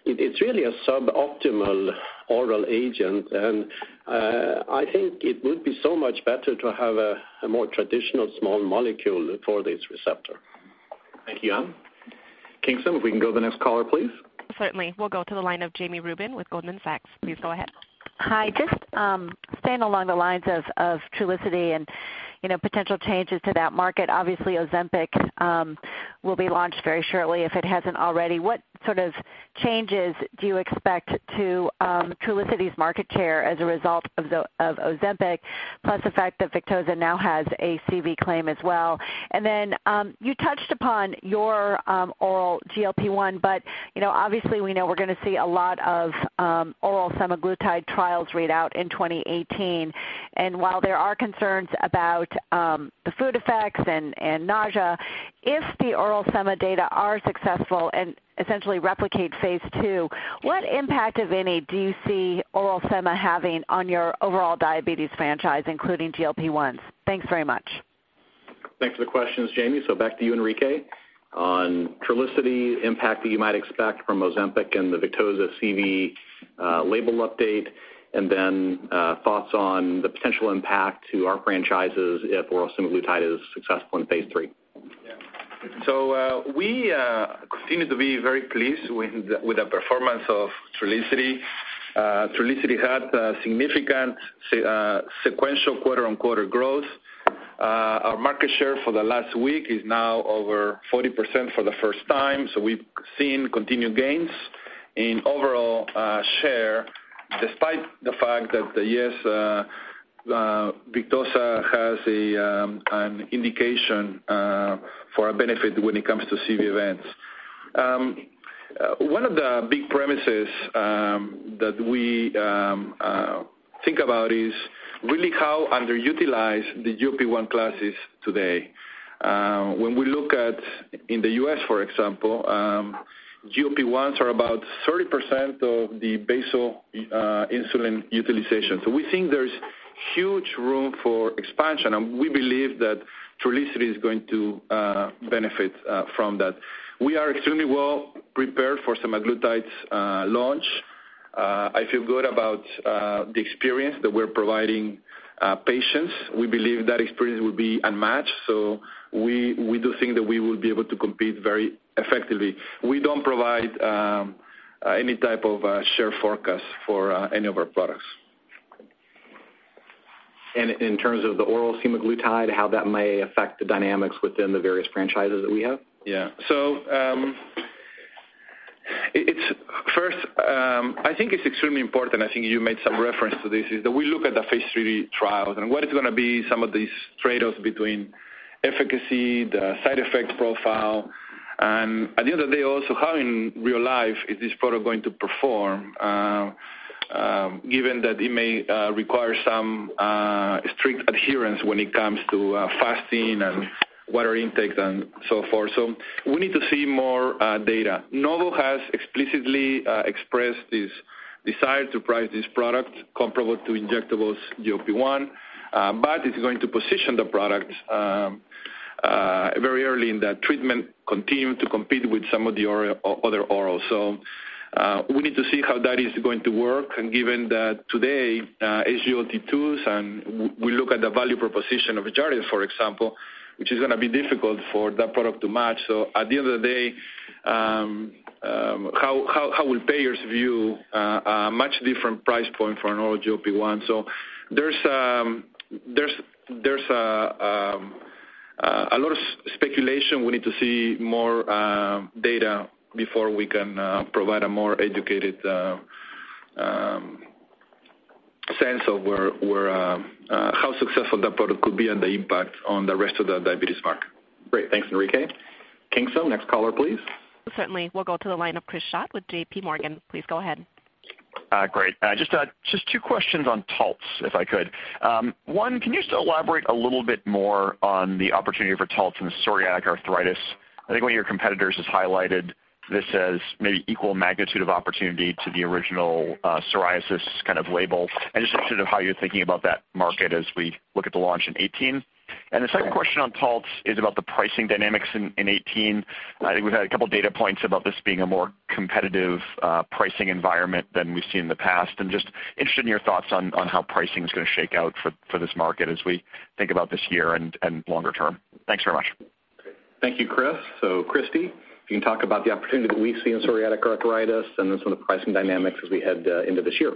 It is really a suboptimal oral agent, and I think it would be so much better to have a more traditional small molecule for this receptor. Thank you, Jan. Kingston, if we can go the next caller, please. Certainly. We'll go to the line of Jami Rubin with Goldman Sachs. Please go ahead. Hi. Just staying along the lines of Trulicity and potential changes to that market. Obviously, Ozempic will be launched very shortly, if it hasn't already. What sort of changes do you expect to Trulicity's market share as a result of Ozempic, plus the fact that Victoza now has a CV claim as well? Then, you touched upon your oral GLP-1, but obviously we know we're going to see a lot of oral semaglutide trials read out in 2018. While there are concerns about the food effects and nausea, if the oral sema data are successful and essentially replicate phase II, what impact, if any, do you see oral sema having on your overall diabetes franchise, including GLP-1s? Thanks very much. Thanks for the questions, Jami. Back to you, Enrique, on Trulicity impact that you might expect from Ozempic and the Victoza CV label update. Then thoughts on the potential impact to our franchises if oral semaglutide is successful in phase III. Yeah. We continue to be very pleased with the performance of Trulicity. Trulicity had significant sequential quarter-on-quarter growth. Our market share for the last week is now over 40% for the first time. We've seen continued gains in overall share, despite the fact that, yes, Victoza has an indication for a benefit when it comes to CV events. One of the big premises that we think about is really how underutilized the GLP-1 class is today. When we look at in the U.S., for example, GLP-1s are about 30% of the basal insulin utilization. We think there's huge room for expansion, and we believe that Trulicity is going to benefit from that. We are extremely well prepared for semaglutide's launch. I feel good about the experience that we're providing patients. We believe that experience will be unmatched. We do think that we will be able to compete very effectively. We don't provide any type of share forecast for any of our products. In terms of the oral semaglutide, how that may affect the dynamics within the various franchises that we have? First, I think it's extremely important, I think you made some reference to this, is that we look at the phase III trials and what is going to be some of these trade-offs between efficacy, the side effect profile. At the end of the day, also how in real life is this product going to perform, given that it may require some strict adherence when it comes to fasting and water intake and so forth. We need to see more data. Novo has explicitly expressed this desire to price this product comparable to injectable GLP-1, it's going to position the product very early in that treatment continuum to compete with some of the other oral. We need to see how that is going to work. Given that today, SGLT2s and we look at the value proposition of Jardiance, for example, which is going to be difficult for that product to match. At the end of the day, how will payers view a much different price point for an oral GLP-1? There's a lot of speculation. We need to see more data before we can provide a more educated sense of how successful that product could be and the impact on the rest of the diabetes market. Great. Thanks, Enrique. Kingston, next caller, please. Certainly. We'll go to the line of Chris Schott with J.P. Morgan. Please go ahead. Great. Just two questions on Taltz, if I could. One, can you still elaborate a little bit more on the opportunity for Taltz in psoriatic arthritis? I think one of your competitors has highlighted this as maybe equal magnitude of opportunity to the original psoriasis kind of label. Just interested of how you're thinking about that market as we look at the launch in 2018. The second question on Taltz is about the pricing dynamics in 2018. I think we've had a couple data points about this being a more competitive pricing environment than we've seen in the past, and just interested in your thoughts on how pricing is going to shake out for this market as we think about this year and longer term. Thanks very much. Thank you, Chris. Christi, you can talk about the opportunity that we see in psoriatic arthritis and then some of the pricing dynamics as we head into this year.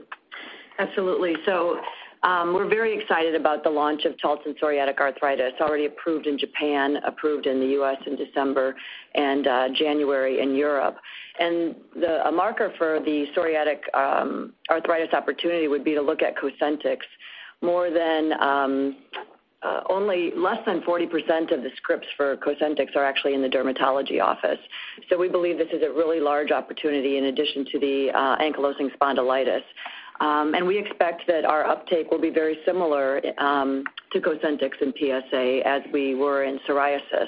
Absolutely. We're very excited about the launch of Taltz in psoriatic arthritis. Already approved in Japan, approved in the U.S. in December, January in Europe. A marker for the psoriatic arthritis opportunity would be to look at Cosentyx. Less than 40% of the scripts for Cosentyx are actually in the dermatology office. We believe this is a really large opportunity in addition to the ankylosing spondylitis. We expect that our uptake will be very similar to Cosentyx in PsA as we were in psoriasis.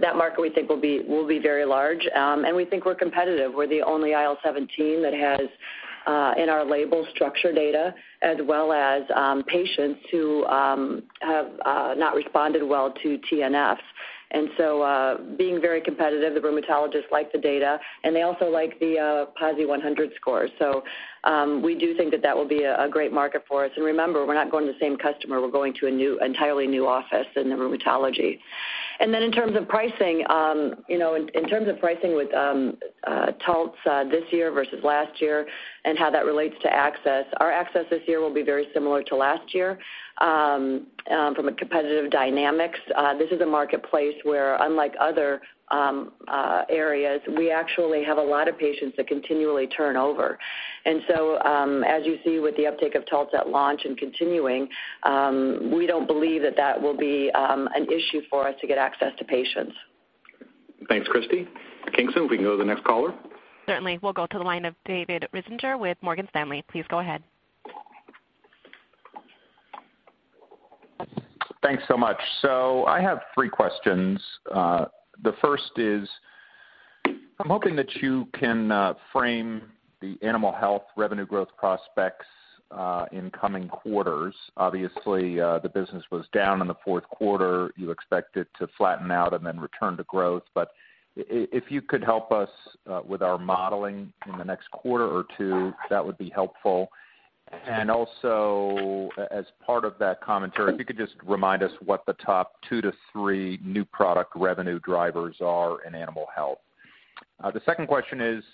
That market we think will be very large. We think we're competitive. We're the only IL-17 that has, in our label structure data, as well as patients who have not responded well to TNFs. Being very competitive, the rheumatologists like the data, and they also like the PASI 100 score. We do think that that will be a great market for us. Remember, we're not going to the same customer, we're going to an entirely new office in the rheumatology. In terms of pricing with Taltz this year versus last year, and how that relates to access, our access this year will be very similar to last year from a competitive dynamics. This is a marketplace where, unlike other areas, we actually have a lot of patients that continually turn over. As you see with the uptake of Taltz at launch and continuing, we don't believe that that will be an issue for us to get access to patients. Thanks, Christi. Kingston, if we can go to the next caller. Certainly. We'll go to the line of David Risinger with Morgan Stanley. Please go ahead. Thanks so much. I have three questions. The first is, I'm hoping that you can frame the Animal Health revenue growth prospects in coming quarters. Obviously, the business was down in the fourth quarter. You expect it to flatten out and then return to growth. If you could help us with our modeling in the next quarter or two, that would be helpful. Also, as part of that commentary, if you could just remind us what the top two to three new product revenue drivers are in Animal Health. The second question is,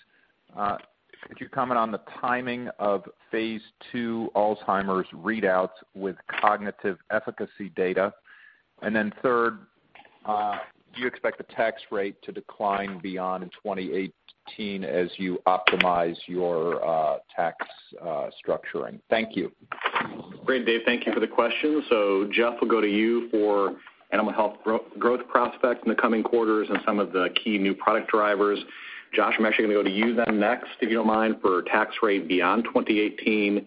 could you comment on the timing of phase II Alzheimer's readouts with cognitive efficacy data? Third, do you expect the tax rate to decline beyond 2018 as you optimize your tax structuring? Thank you. Great, Dave. Thank you for the question. Jeff, we'll go to you for Animal Health growth prospects in the coming quarters and some of the key new product drivers. Josh, I'm actually going to go to you then next, if you don't mind, for tax rate beyond 2018.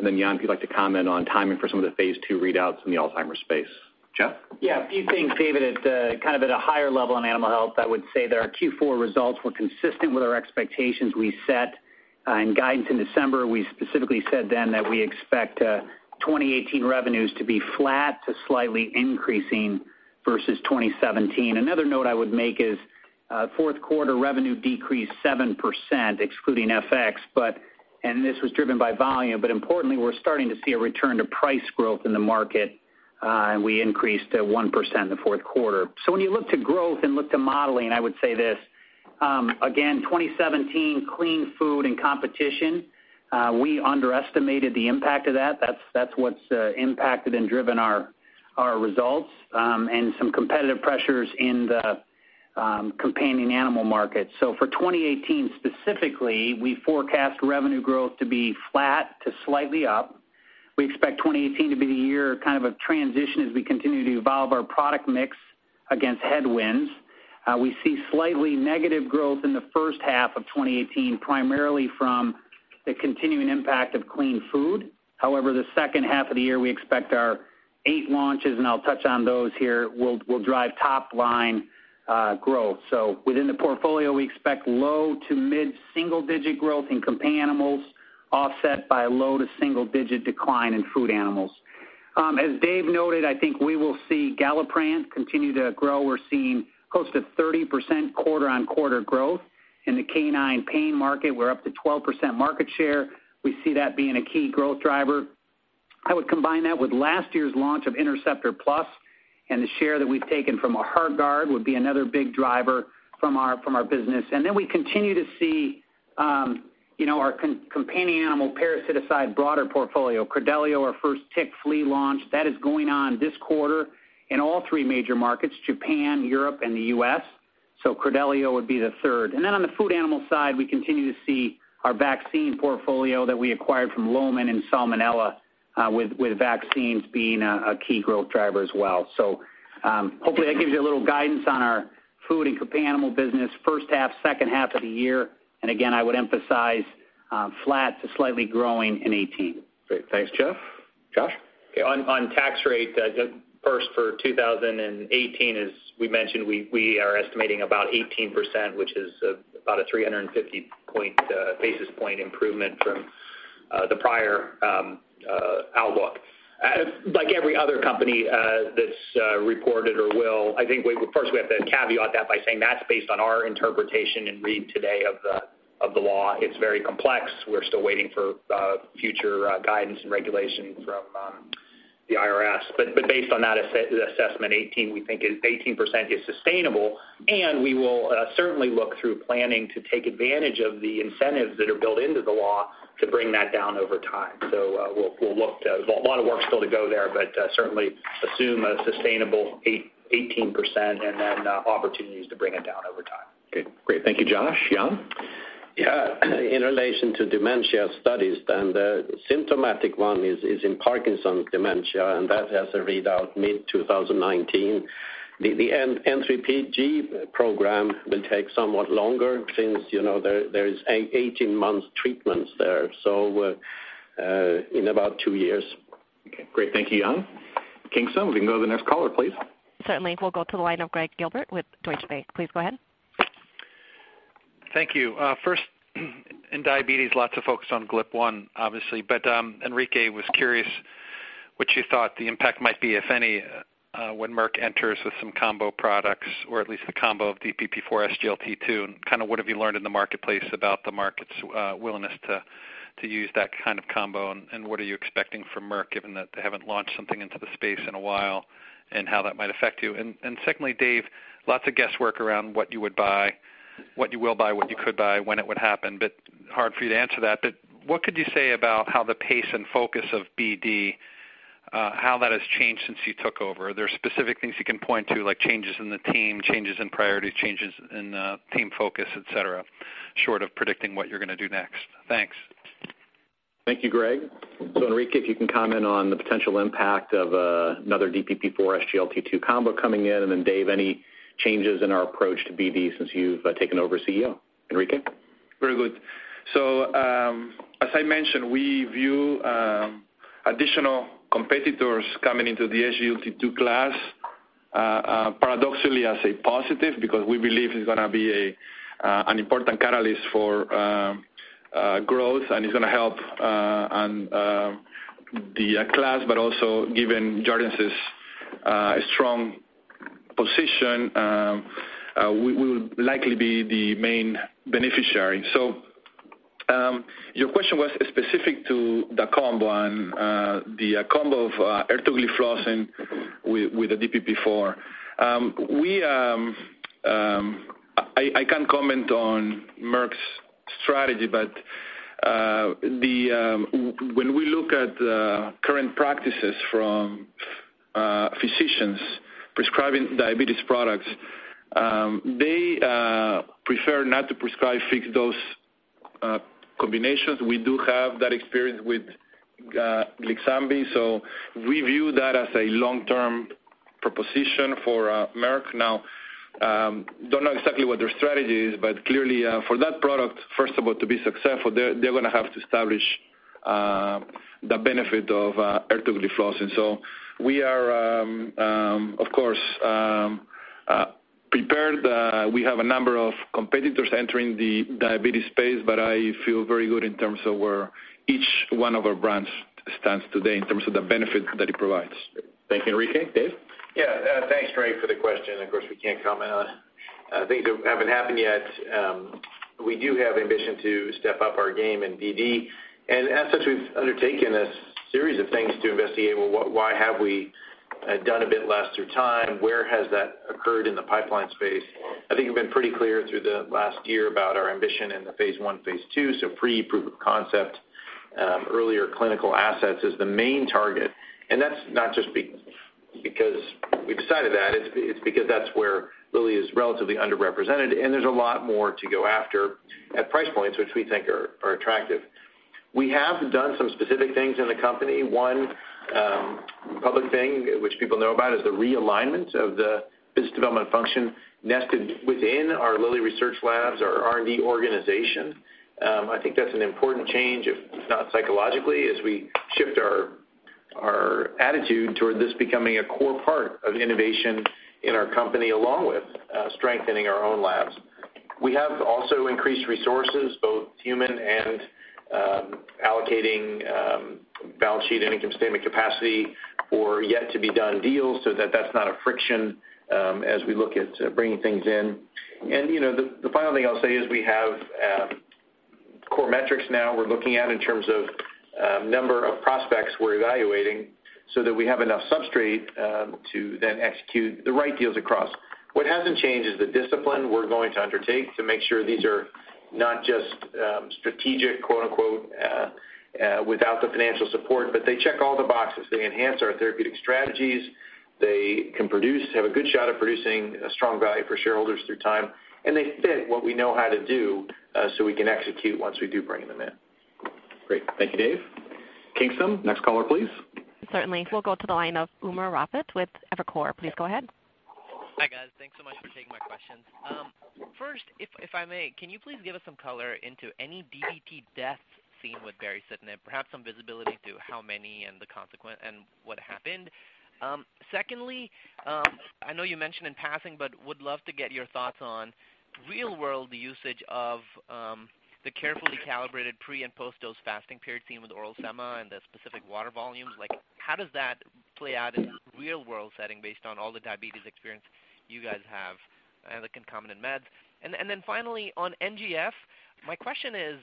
Jan, if you'd like to comment on timing for some of the phase II readouts in the Alzheimer's space. Jeff? Yeah, a few things, David. At kind of at a higher level on Animal Health, I would say that our Q4 results were consistent with our expectations we set in guidance in December. We specifically said then that we expect 2018 revenues to be flat to slightly increasing versus 2017. Another note I would make is, fourth quarter revenue decreased 7%, excluding FX, and this was driven by volume, but importantly, we're starting to see a return to price growth in the market. We increased 1% in the fourth quarter. When you look to growth and look to modeling, I would say this, again, 2017, clean food and competition, we underestimated the impact of that. That's what's impacted and driven our results, and some competitive pressures in the Companion Animals market. For 2018 specifically, we forecast revenue growth to be flat to slightly up. We expect 2018 to be the year, kind of a transition as we continue to evolve our product mix against headwinds. We see slightly negative growth in the first half of 2018, primarily from the continuing impact of clean food. However, the second half of the year, we expect our eight launches, and I'll touch on those here, will drive top-line growth. Within the portfolio, we expect low to mid-single digit growth in Companion Animals, offset by a low to single digit decline in food animals. As Dave noted, I think we will see Galliprant continue to grow. We're seeing close to 30% quarter-on-quarter growth in the canine pain market. We're up to 12% market share. We see that being a key growth driver. I would combine that with last year's launch of Interceptor Plus and the share that we've taken from HEARTGARD would be another big driver from our business. We continue to see our companion animal parasitic side broader portfolio. Credelio, our first tick flea launch, that is going on this quarter in all three major markets, Japan, Europe, and the U.S. Credelio would be the third. On the food animal side, we continue to see our vaccine portfolio that we acquired from Lohmann in Salmonella With vaccines being a key growth driver as well. Hopefully that gives you a little guidance on our food and companion animal business first half, second half of the year. Again, I would emphasize flat to slightly growing in 2018. Great. Thanks, Jeff. Josh? On tax rate, first for 2018, as we mentioned, we are estimating about 18%, which is about a 350 basis point improvement from the prior outlook. Like every other company that's reported or will, I think, first, we have to caveat that by saying that's based on our interpretation and read today of the law. It's very complex. We're still waiting for future guidance and regulations from the IRS. Based on that assessment, 18%, we think is sustainable, and we will certainly look through planning to take advantage of the incentives that are built into the law to bring that down over time. We'll look. There's a lot of work still to go there, but certainly assume a sustainable 18% and then opportunities to bring it down over time. Okay, great. Thank you, Josh. Jan? Yeah. In relation to dementia studies, the symptomatic one is in Parkinson's dementia, that has a readout mid-2019. The N3pG program will take somewhat longer since there is 18 months treatments there, so in about two years. Okay, great. Thank you, Jan. Kingston, we can go to the next caller, please. Certainly. We'll go to the line of Gregg Gilbert with Deutsche Bank. Please go ahead. Thank you. First, in diabetes, lots of focus on GLP-1, obviously, Enrique was curious what you thought the impact might be, if any, when Merck enters with some combo products or at least the combo of DPP4 SGLT2, and what have you learned in the marketplace about the market's willingness to use that kind of combo, and what are you expecting from Merck, given that they haven't launched something into the space in a while, and how that might affect you. Secondly, Dave, lots of guesswork around what you would buy, what you will buy, what you could buy, when it would happen, hard for you to answer that. What could you say about how the pace and focus of BD, how that has changed since you took over? Are there specific things you can point to, like changes in the team, changes in priority, changes in team focus, et cetera, short of predicting what you're going to do next? Thanks. Thank you, Gregg. Enrique, if you can comment on the potential impact of another DPP4 SGLT2 combo coming in, then Dave, any changes in our approach to BD since you've taken over as CEO. Enrique? Very good. As I mentioned, we view additional competitors coming into the SGLT2 class paradoxically as a positive because we believe it's going to be an important catalyst for growth and it's going to help the class, also given Jardiance's strong position, we will likely be the main beneficiary. Your question was specific to the combo and the combo of ertugliflozin with a DPP4. I can't comment on Merck's strategy, when we look at current practices from physicians prescribing diabetes products, they prefer not to prescribe fixed-dose combinations. We do have that experience with Glyxambi, we view that as a long-term proposition for Merck. Now, don't know exactly what their strategy is, clearly, for that product, first of all, to be successful, they're going to have to establish the benefit of ertugliflozin. We are, of course, prepared. We have a number of competitors entering the diabetes space. I feel very good in terms of where each one of our brands stands today in terms of the benefit that it provides. Yeah. Thanks, Enrique. Dave. Thanks Gregg for the question. Of course, we can't comment on things that haven't happened yet. We do have ambition to step up our game in BD, We have done some specific things in the company. One public thing which people know about is the realignment of the business development function nested within our Lilly Research Labs, our R&D organization. I think that's an important change, if not psychologically, as we shift our attitude toward this becoming a core part of innovation in our company, along with strengthening our own labs. We have also increased resources, both human and allocating balance sheet and income statement capacity for yet-to-be-done deals so that that's not a friction as we look at bringing things in. The final thing I'll say is we have core metrics now we're looking at in terms of number of prospects we're evaluating so that we have enough substrate to then execute the right deals across. What hasn't changed is the discipline we're going to undertake to make sure these are not just strategic, quote unquote, without the financial support, but they check all the boxes. They enhance our therapeutic strategies. They can have a good shot at producing a strong value for shareholders through time. They fit what we know how to do so we can execute once we do bring them in. Great. Thank you, Dave. Kingston, next caller, please. Certainly. We'll go to the line of Umer Raffat with Evercore. Please go ahead. Hi, guys. Thanks so much for taking my questions. First, if I may, can you please give us some color into any DVT deaths seen with baricitinib, perhaps some visibility to how many and what happened? Secondly, I know you mentioned in passing, but would love to get your thoughts on real-world usage of the carefully calibrated pre and post-dose fasting period seen with oral sema and the specific water volumes. How does that play out in the real-world setting based on all the diabetes experience you guys have and the concomitant meds? Then finally on NGF, my question is,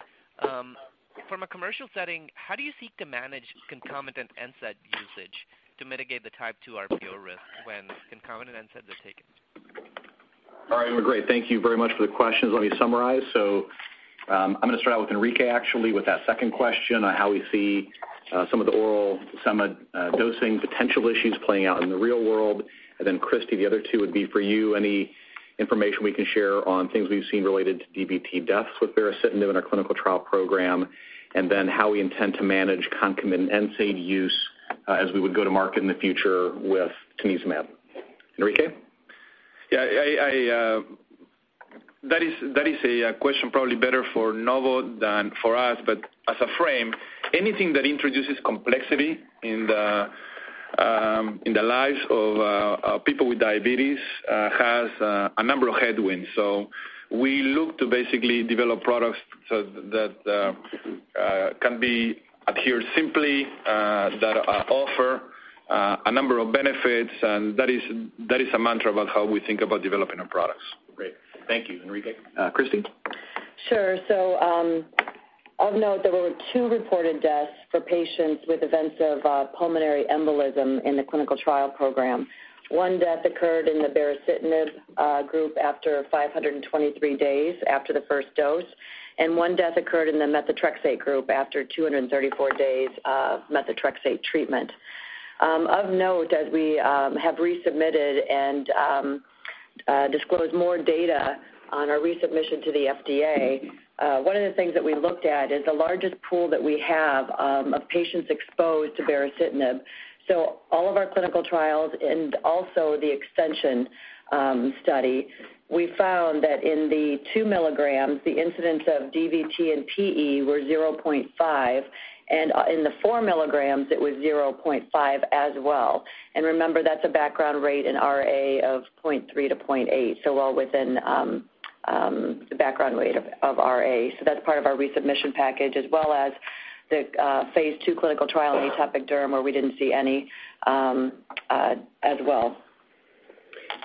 from a commercial setting, how do you seek to manage concomitant NSAID usage to mitigate the type 2 RPOA risk when concomitant NSAIDs are taken? All right, Umer. Great. Thank you very much for the questions. Let me summarize. I'm going to start out with Enrique, actually, with that second question on how we see some of the oral sema dosing potential issues playing out in the real world. Christi, the other two would be for you, any information we can share on things we've seen related to DVT deaths with baricitinib in our clinical trial program, and then how we intend to manage concomitant NSAID use as we would go to market in the future with tanezumab. Enrique? Yeah. That is a question probably better for Novo than for us, but as a frame, anything that introduces complexity in the lives of people with diabetes has a number of headwinds. We look to basically develop products that can be adhered simply, that offer a number of benefits, and that is a mantra about how we think about developing our products. Great. Thank you, Enrique. Christi? Sure. Of note, there were two reported deaths for patients with events of pulmonary embolism in the clinical trial program. One death occurred in the baricitinib group after 523 days after the first dose, and one death occurred in the methotrexate group after 234 days of methotrexate treatment. Of note, as we have resubmitted and disclosed more data on our resubmission to the FDA, one of the things that we looked at is the largest pool that we have of patients exposed to baricitinib. All of our clinical trials and also the extension study, we found that in the two milligrams, the incidence of DVT and PE were 0.5, and in the four milligrams, it was 0.5 as well. Remember, that's a background rate in RA of 0.3-0.8, well within the background rate of RA. That's part of our resubmission package, as well as the phase II clinical trial in atopic derm where we didn't see any as well.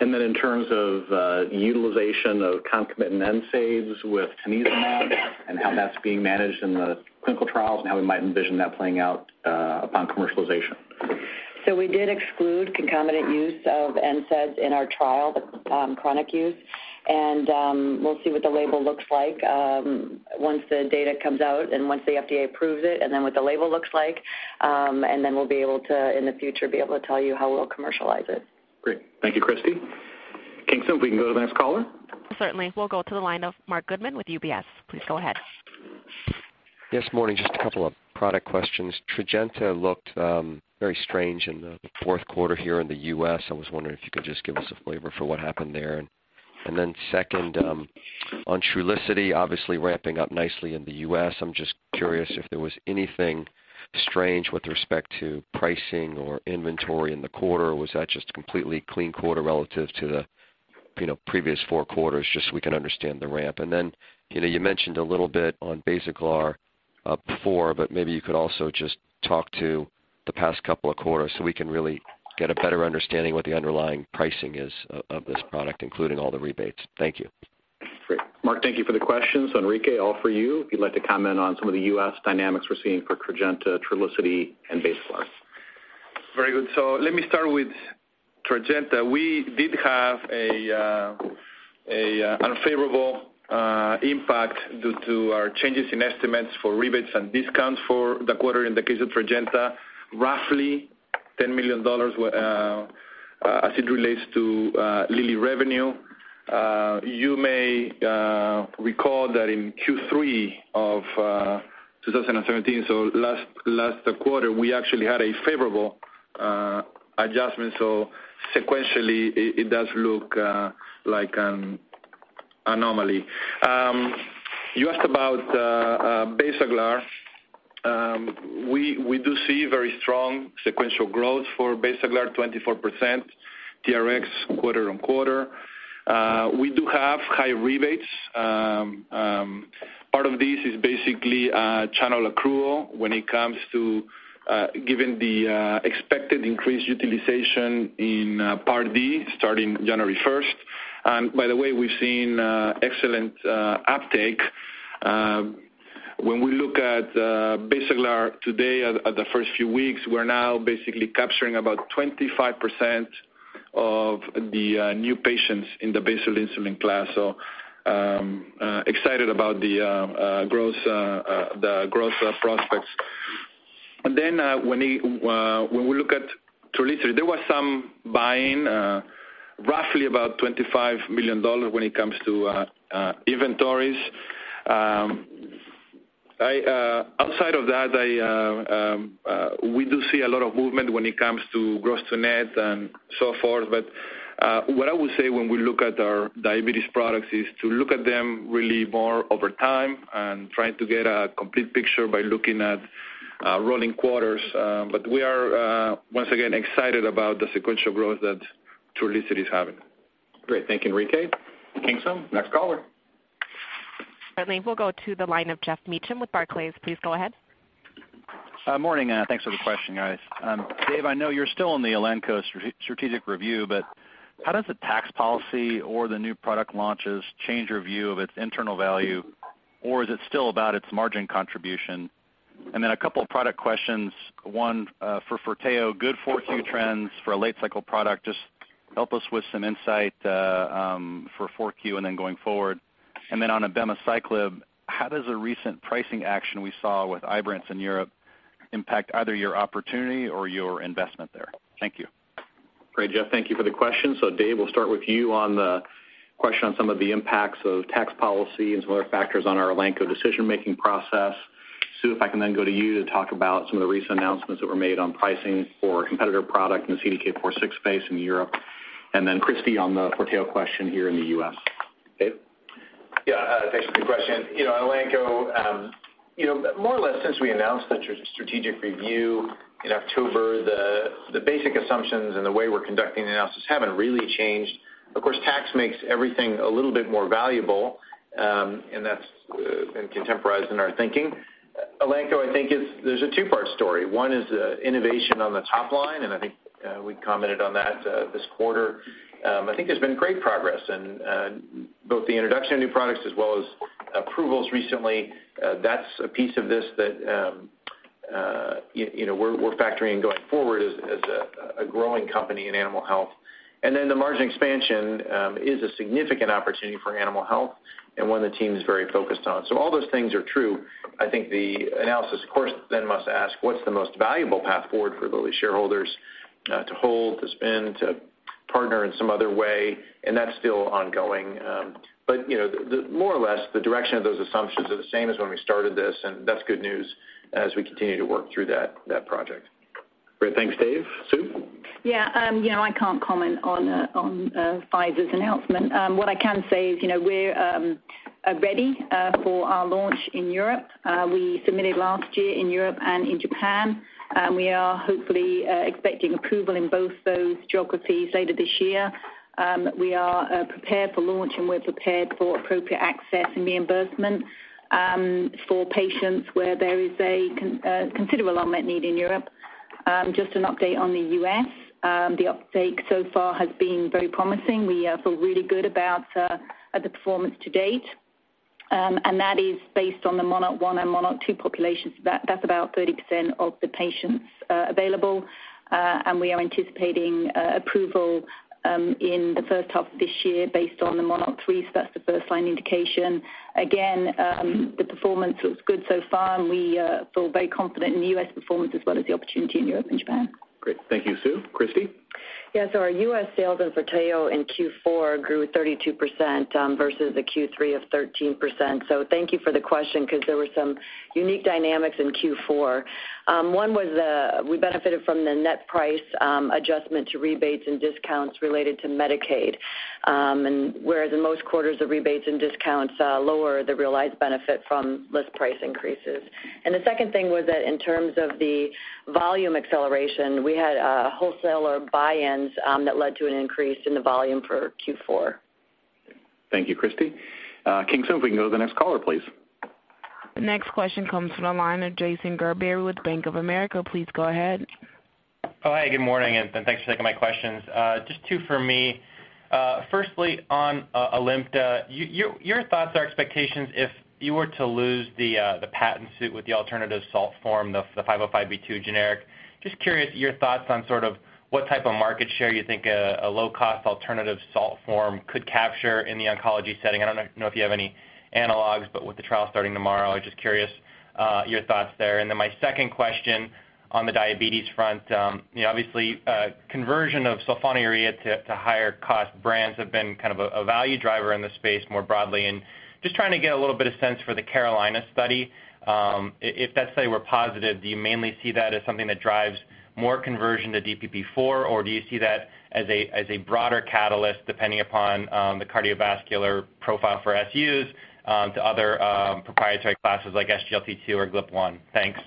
In terms of the utilization of concomitant NSAIDs with tanezumab and how that's being managed in the clinical trials and how we might envision that playing out upon commercialization. We did exclude concomitant use of NSAIDs in our trial, the chronic use. We'll see what the label looks like once the data comes out and once the FDA approves it, then what the label looks like. We'll be able to, in the future, be able to tell you how we'll commercialize it. Great. Thank you, Christi. Kingston, if we can go to the next caller. Certainly. We'll go to the line of Marc Goodman with UBS. Please go ahead. Yes, morning. Just a couple of product questions. Tradjenta looked very strange in the fourth quarter here in the U.S. I was wondering if you could just give us a flavor for what happened there. Second, on Trulicity, obviously ramping up nicely in the U.S. I'm just curious if there was anything strange with respect to pricing or inventory in the quarter, or was that just a completely clean quarter relative to the previous four quarters, just so we can understand the ramp? You mentioned a little bit on Basaglar before, but maybe you could also just talk to the past couple of quarters so we can really get a better understanding what the underlying pricing is of this product, including all the rebates. Thank you. Great. Marc, thank you for the questions. Enrique, all for you, if you'd like to comment on some of the U.S. dynamics we're seeing for Tradjenta, Trulicity, and Basaglar. Very good. Let me start with Tradjenta. We did have an unfavorable impact due to our changes in estimates for rebates and discounts for the quarter in the case of Tradjenta, roughly $10 million as it relates to Lilly revenue. You may recall that in Q3 of 2017, last quarter, we actually had a favorable adjustment. Sequentially, it does look like an anomaly. You asked about Basaglar. We do see very strong sequential growth for Basaglar, 24% TRX quarter-on-quarter. We do have high rebates. Part of this is basically channel accrual when it comes to giving the expected increased utilization in Part D starting January 1st. By the way, we've seen excellent uptake. When we look at Basaglar today at the first few weeks, we're now basically capturing about 25% of the new patients in the basal insulin class. Excited about the growth prospects. When we look at Trulicity, there was some buying, roughly about $25 million when it comes to inventories. Outside of that, we do see a lot of movement when it comes to gross to net and so forth. What I would say when we look at our diabetes products is to look at them really more over time and trying to get a complete picture by looking at rolling quarters. We are, once again, excited about the sequential growth that Trulicity is having. Great. Thank you, Enrique. Kingston, next caller. Certainly. We'll go to the line of Geoff Meacham with Barclays. Please go ahead. Morning. Thanks for the question, guys. Dave, I know you're still on the Elanco strategic review, but how does the tax policy or the new product launches change your view of its internal value? Is it still about its margin contribution? A couple product questions. One for Forteo, good 4Q trends for a late cycle product. Just help us with some insight for 4Q and then going forward. On abemaciclib, how does the recent pricing action we saw with IBRANCE in Europe impact either your opportunity or your investment there? Thank you. Great, Geoff. Thank you for the question. Dave, we'll start with you on the question on some of the impacts of tax policy and some other factors on our Elanco decision-making process. Sue, if I can then go to you to talk about some of the recent announcements that were made on pricing for a competitor product in the CDK4/6 space in Europe. Christi on the Forteo question here in the U.S. Dave? Yeah, thanks for the question. Elanco, more or less since we announced the strategic review in October, the basic assumptions and the way we're conducting the analysis haven't really changed. Of course, tax makes everything a little bit more valuable, and that's been contemporized in our thinking. Elanco, I think there's a two-part story. One is innovation on the top line, I think we've commented on that this quarter. I think there's been great progress in both the introduction of new products as well as approvals recently. That's a piece of this that we're factoring in going forward as a growing company in animal health. The margin expansion is a significant opportunity for animal health and one the team is very focused on. All those things are true. I think the analysis, of course, then must ask, what's the most valuable path forward for Lilly shareholders to hold, to spin, to partner in some other way? That's still ongoing. More or less, the direction of those assumptions are the same as when we started this, and that's good news as we continue to work through that project. Great. Thanks, Dave. Sue? Yeah. I can't comment on Pfizer's announcement. What I can say is we're ready for our launch in Europe. We submitted last year in Europe and in Japan, we are hopefully expecting approval in both those geographies later this year. We are prepared for launch, and we're prepared for appropriate access and reimbursement for patients where there is a considerable unmet need in Europe. Just an update on the U.S., the uptake so far has been very promising. We feel really good about the performance to date, and that is based on the Monarch 1 and Monarch 2 populations. That's about 30% of the patients available. We are anticipating approval in the first half of this year based on the Monarch 3, so that's the first-line indication. Again, the performance looks good so far, we feel very confident in the U.S. performance as well as the opportunity in Europe and Japan. Great. Thank you, Sue. Christi? Yeah, our U.S. sales in Forteo in Q4 grew 32% versus the Q3 of 13%. Thank you for the question because there were some unique dynamics in Q4. One was we benefited from the net price adjustment to rebates and discounts related to Medicaid. Whereas in most quarters, the rebates and discounts lower the realized benefit from list price increases. The second thing was that in terms of the volume acceleration, we had wholesaler buy-ins that led to an increase in the volume for Q4. Thank you, Christi. Kingston, if we can go to the next caller, please. The next question comes from the line of Jason Gerberry with Bank of America. Please go ahead. Hey, good morning, thanks for taking my questions. Just two for me. Firstly, on Alimta, your thoughts or expectations if you were to lose the patent suit with the alternative salt form, the 505(b)(2) generic. Just curious your thoughts on sort of what type of market share you think a low-cost alternative salt form could capture in the oncology setting. I don't know if you have any analogs, with the trial starting tomorrow, I'm just curious your thoughts there. My second question on the diabetes front. Obviously, conversion of sulfonylurea to higher-cost brands have been kind of a value driver in the space more broadly, just trying to get a little bit of sense for the CAROLINA study. If that study were positive, do you mainly see that as something that drives more conversion to DPP4, or do you see that as a broader catalyst, depending upon the cardiovascular profile for SUs to other proprietary classes like SGLT2 or GLP-1? Thanks.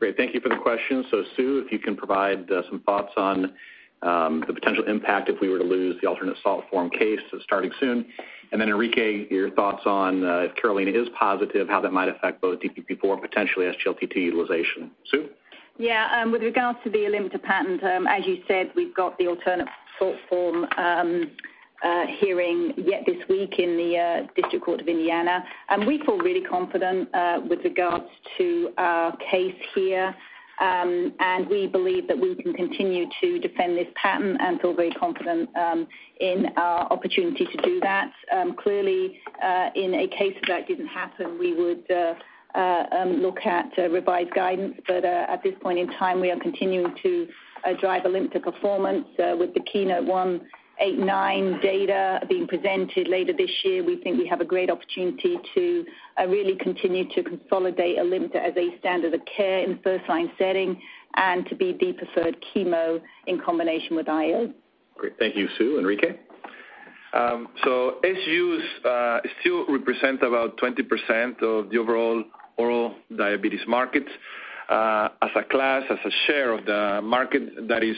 Great. Thank you for the question. Sue, if you can provide some thoughts on the potential impact if we were to lose the alternate salt form case that's starting soon. Enrique, your thoughts on if CAROLINA is positive, how that might affect both DPP4 and potentially SGLT2 utilization. Sue? With regards to the Alimta patent, as you said, we've got the alternative salt form Hearing yet this week in the District Court of Indiana. We feel really confident with regards to our case here. We believe that we can continue to defend this patent and feel very confident in our opportunity to do that. Clearly, in a case that didn't happen, we would look at revised guidance. At this point in time, we are continuing to drive Alimta performance with the KEYNOTE-189 data being presented later this year. We think we have a great opportunity to really continue to consolidate Alimta as a standard of care in first-line setting and to be the preferred chemo in combination with IO. Great. Thank you, Sue. Enrique? SUs still represent about 20% of the overall oral diabetes market. As a class, as a share of the market, that is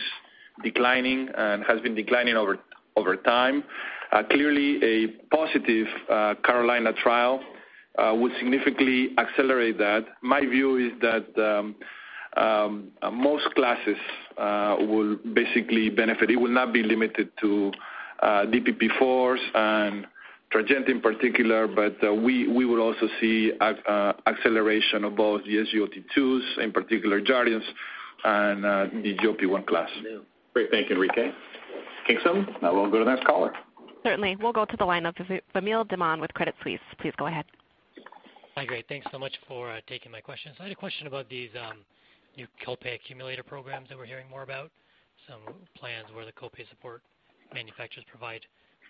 declining and has been declining over time. Clearly, a positive CAROLINA trial would significantly accelerate that. My view is that most classes will basically benefit. It will not be limited to DPP4s and Tradjenta in particular, but we will also see acceleration of both the SGLT2s, in particular Jardiance and the GLP-1 class. Great. Thank you, Enrique. Kingston, now we'll go to the next caller. Certainly. We'll go to the line of Vamil Divan with Credit Suisse. Please go ahead. Hi. Great. Thanks so much for taking my questions. I had a question about these new co-pay accumulator programs that we're hearing more about, some plans where the co-pay support manufacturers provide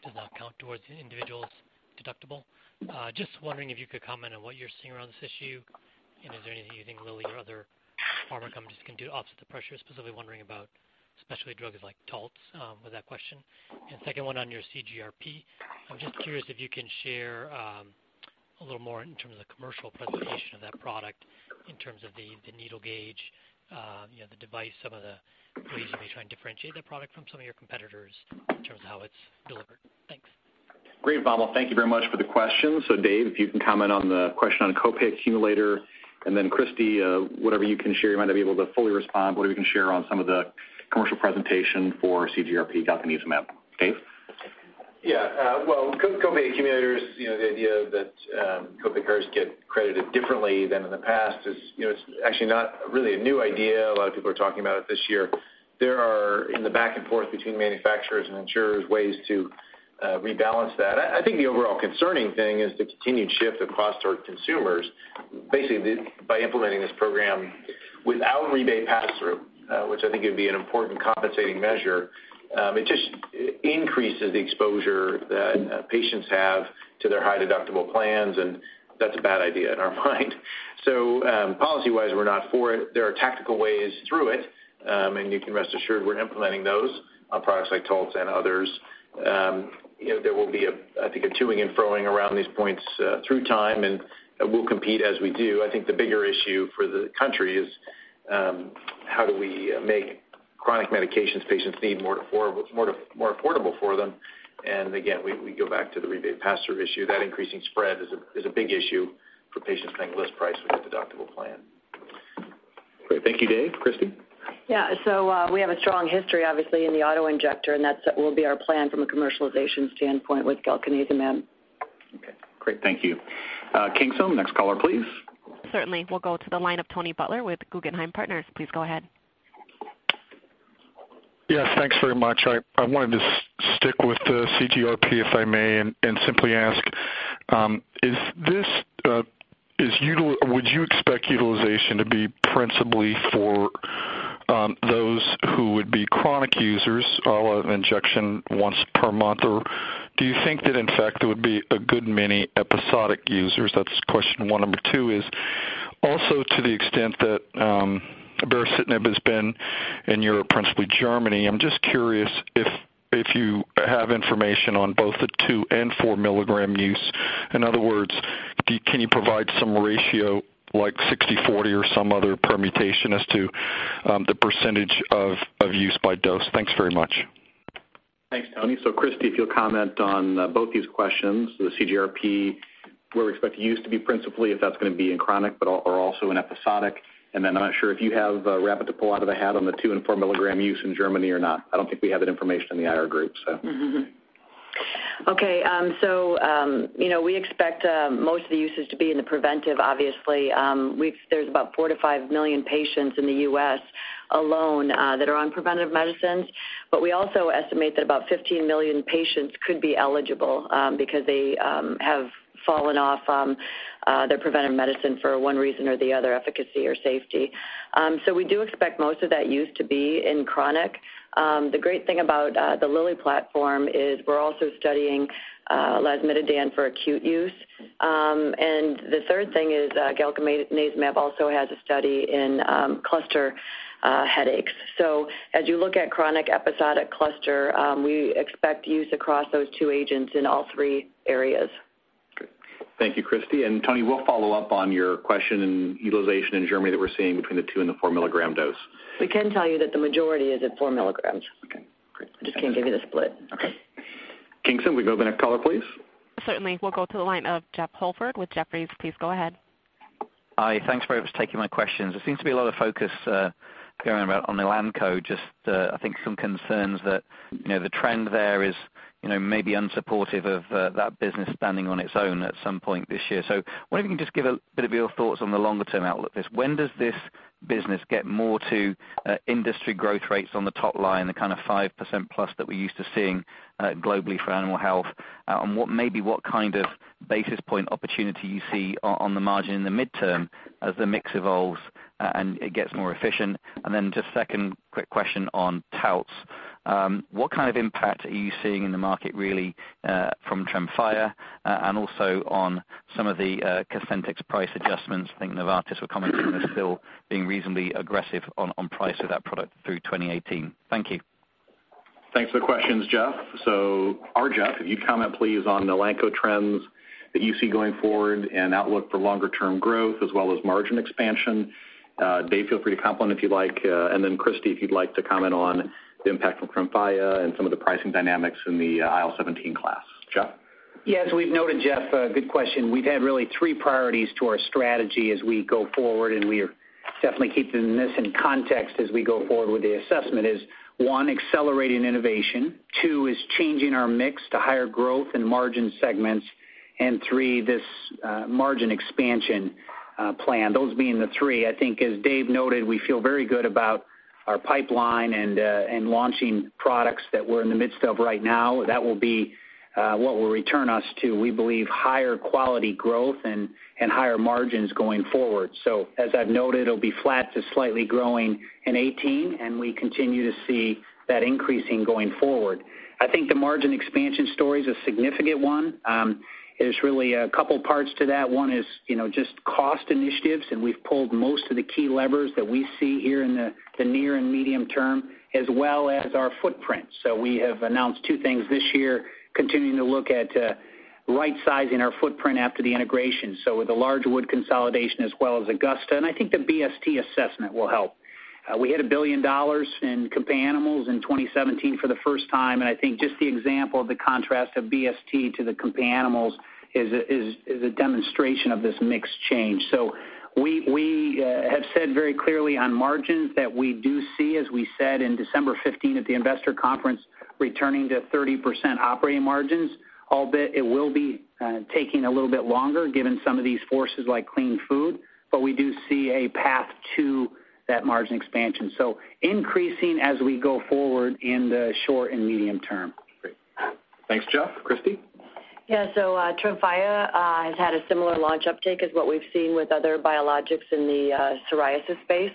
does not count towards the individual's deductible. Just wondering if you could comment on what you're seeing around this issue, and is there anything you think Lilly or other pharma companies can do to offset the pressure? Specifically wondering about especially drugs like Taltz with that question. Second one on your CGRP. I'm just curious if you can share a little more in terms of the commercial presentation of that product in terms of the needle gauge, the device, some of the ways that you're trying to differentiate that product from some of your competitors in terms of how it's delivered. Thanks. Great, Vamil. Thank you very much for the question. Dave, if you can comment on the question on co-pay accumulator, and then Christi, whatever you can share, you might not be able to fully respond, whatever you can share on some of the commercial presentation for CGRP, galcanezumab. Dave? Well, co-pay accumulators, the idea that co-payers get credited differently than in the past is actually not really a new idea. A lot of people are talking about it this year. There are, in the back and forth between manufacturers and insurers, ways to rebalance that. I think the overall concerning thing is the continued shift of cost to our consumers. Basically, by implementing this program without a rebate pass-through, which I think would be an important compensating measure, it just increases the exposure that patients have to their high-deductible plans, and that's a bad idea in our mind. Policy-wise, we're not for it. There are tactical ways through it, and you can rest assured we're implementing those on products like Taltz and others. There will be, I think, a to-ing and fro-ing around these points through time, and we'll compete as we do. I think the bigger issue for the country is how do we make chronic medications patients need more affordable for them? Again, we go back to the rebate pass-through issue. That increasing spread is a big issue for patients paying list price with a deductible plan. Great. Thank you, Dave. Christi? Yeah. So we have a strong history, obviously, in the auto-injector, and that will be our plan from a commercialization standpoint with galcanezumab. Okay, great. Thank you. Kingston, next caller, please. Certainly. We'll go to the line of Tony Butler with Guggenheim Partners. Please go ahead. Yes, thanks very much. I wanted to stick with the CGRP, if I may, and simply ask, would you expect utilization to be principally for those who would be chronic users, all an injection once per month? Or do you think that, in fact, there would be a good many episodic users? That's question one. Number two is also to the extent that erenumab has been in Europe, principally Germany, I'm just curious if you have information on both the two and four-milligram use. In other words, can you provide some ratio like 60/40 or some other permutation as to the percentage of use by dose? Thanks very much. Thanks, Tony. Christi, if you'll comment on both these questions, the CGRP, where we expect use to be principally, if that's going to be in chronic or also in episodic. I'm not sure if you have a rabbit to pull out of the hat on the two and four-milligram use in Germany or not. I don't think we have that information in the IR group. We expect most of the usage to be in the preventive, obviously. There's about four to five million patients in the U.S. alone that are on preventive medicines. We also estimate that about 15 million patients could be eligible because they have fallen off their preventive medicine for one reason or the other, efficacy or safety. We do expect most of that use to be in chronic. The great thing about the Lilly platform is we're also studying lasmiditan for acute use. The third thing is galcanezumab also has a study in cluster headaches. As you look at chronic episodic cluster, we expect use across those two agents in all three areas. Great. Thank you, Christi. Tony, we'll follow up on your question and utilization in Germany that we're seeing between the two and the four-milligram dose. We can tell you that the majority is at four milligrams. Okay, great. I just can't give you the split. Okay. Kingston, can we go to the next caller, please? Certainly. We'll go to the line of Jeff Holford with Jefferies. Please go ahead. Hi. Thanks very much for taking my questions. There seems to be a lot of focus going around on Elanco, just I think some concerns that the trend there is maybe unsupportive of that business standing on its own at some point this year. Wonder if you can just give a bit of your thoughts on the longer-term outlook. When does this business get more to industry growth rates on the top line, the kind of 5% plus that we're used to seeing globally for animal health? Maybe what kind of basis point opportunity you see on the margin in the midterm as the mix evolves and it gets more efficient? Just second quick question on Taltz. What kind of impact are you seeing in the market really from Tremfya and also on some of the Cosentyx price adjustments? Thinking Novartis were commenting they're still being reasonably aggressive on price of that product through 2018. Thank you. Thanks for the questions, Jeff. Our Jeff, if you'd comment, please, on Elanco trends that you see going forward and outlook for longer term growth as well as margin expansion. Dave, feel free to complement if you'd like. Christi, if you'd like to comment on the impact from Tremfya and some of the pricing dynamics in the IL-17 class. Jeff? Yeah. As we've noted, Jeff, good question. We've had really three priorities to our strategy as we go forward. We're definitely keeping this in context as we go forward with the assessment is, one, accelerating innovation, two is changing our mix to higher growth and margin segments, three, this margin expansion plan. Those being the three, I think as Dave noted, we feel very good about our pipeline and launching products that we're in the midst of right now. That will be what will return us to, we believe, higher quality growth and higher margins going forward. As I've noted, it'll be flat to slightly growing in 2018, and we continue to see that increasing going forward. I think the margin expansion story's a significant one. There's really a couple parts to that. One is just cost initiatives. We've pulled most of the key levers that we see here in the near and medium term as well as our footprint. We have announced two things this year, continuing to look at right-sizing our footprint after the integration, with the larger Erl Wood consolidation as well as Augusta. I think the rBST assessment will help. We hit $1 billion in Companion Animals in 2017 for the first time. I think just the example of the contrast of rBST to the Companion Animals is a demonstration of this mix change. We have said very clearly on margins that we do see, as we said in December 2015 at the investor conference, returning to 30% operating margins, albeit it will be taking a little bit longer given some of these forces like clean food. We do see a path to that margin expansion, increasing as we go forward in the short and medium term. Great. Thanks, Jeff. Christi? Yeah. Tremfya has had a similar launch uptake as what we've seen with other biologics in the psoriasis space.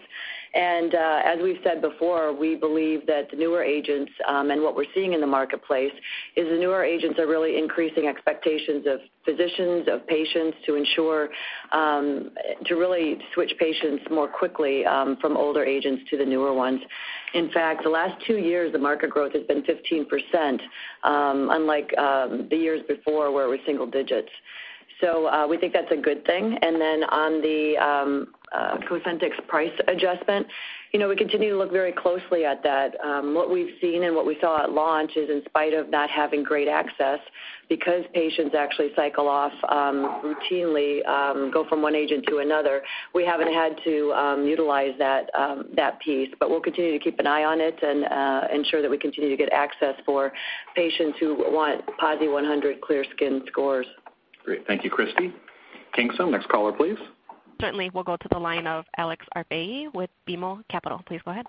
As we've said before, we believe that the newer agents, what we're seeing in the marketplace is the newer agents are really increasing expectations of physicians, of patients to ensure to really switch patients more quickly from older agents to the newer ones. In fact, the last two years, the market growth has been 15%, unlike the years before where it was single digits. We think that's a good thing. On the Cosentyx price adjustment, we continue to look very closely at that. What we've seen and what we saw at launch is in spite of not having great access, because patients actually cycle off routinely, go from one agent to another, we haven't had to utilize that piece. We'll continue to keep an eye on it and ensure that we continue to get access for patients who want PASI 100 clear skin scores. Great. Thank you, Christi. Kingston, next caller, please. Certainly. We'll go to the line of Alex Arfaei with BMO Capital Markets. Please go ahead.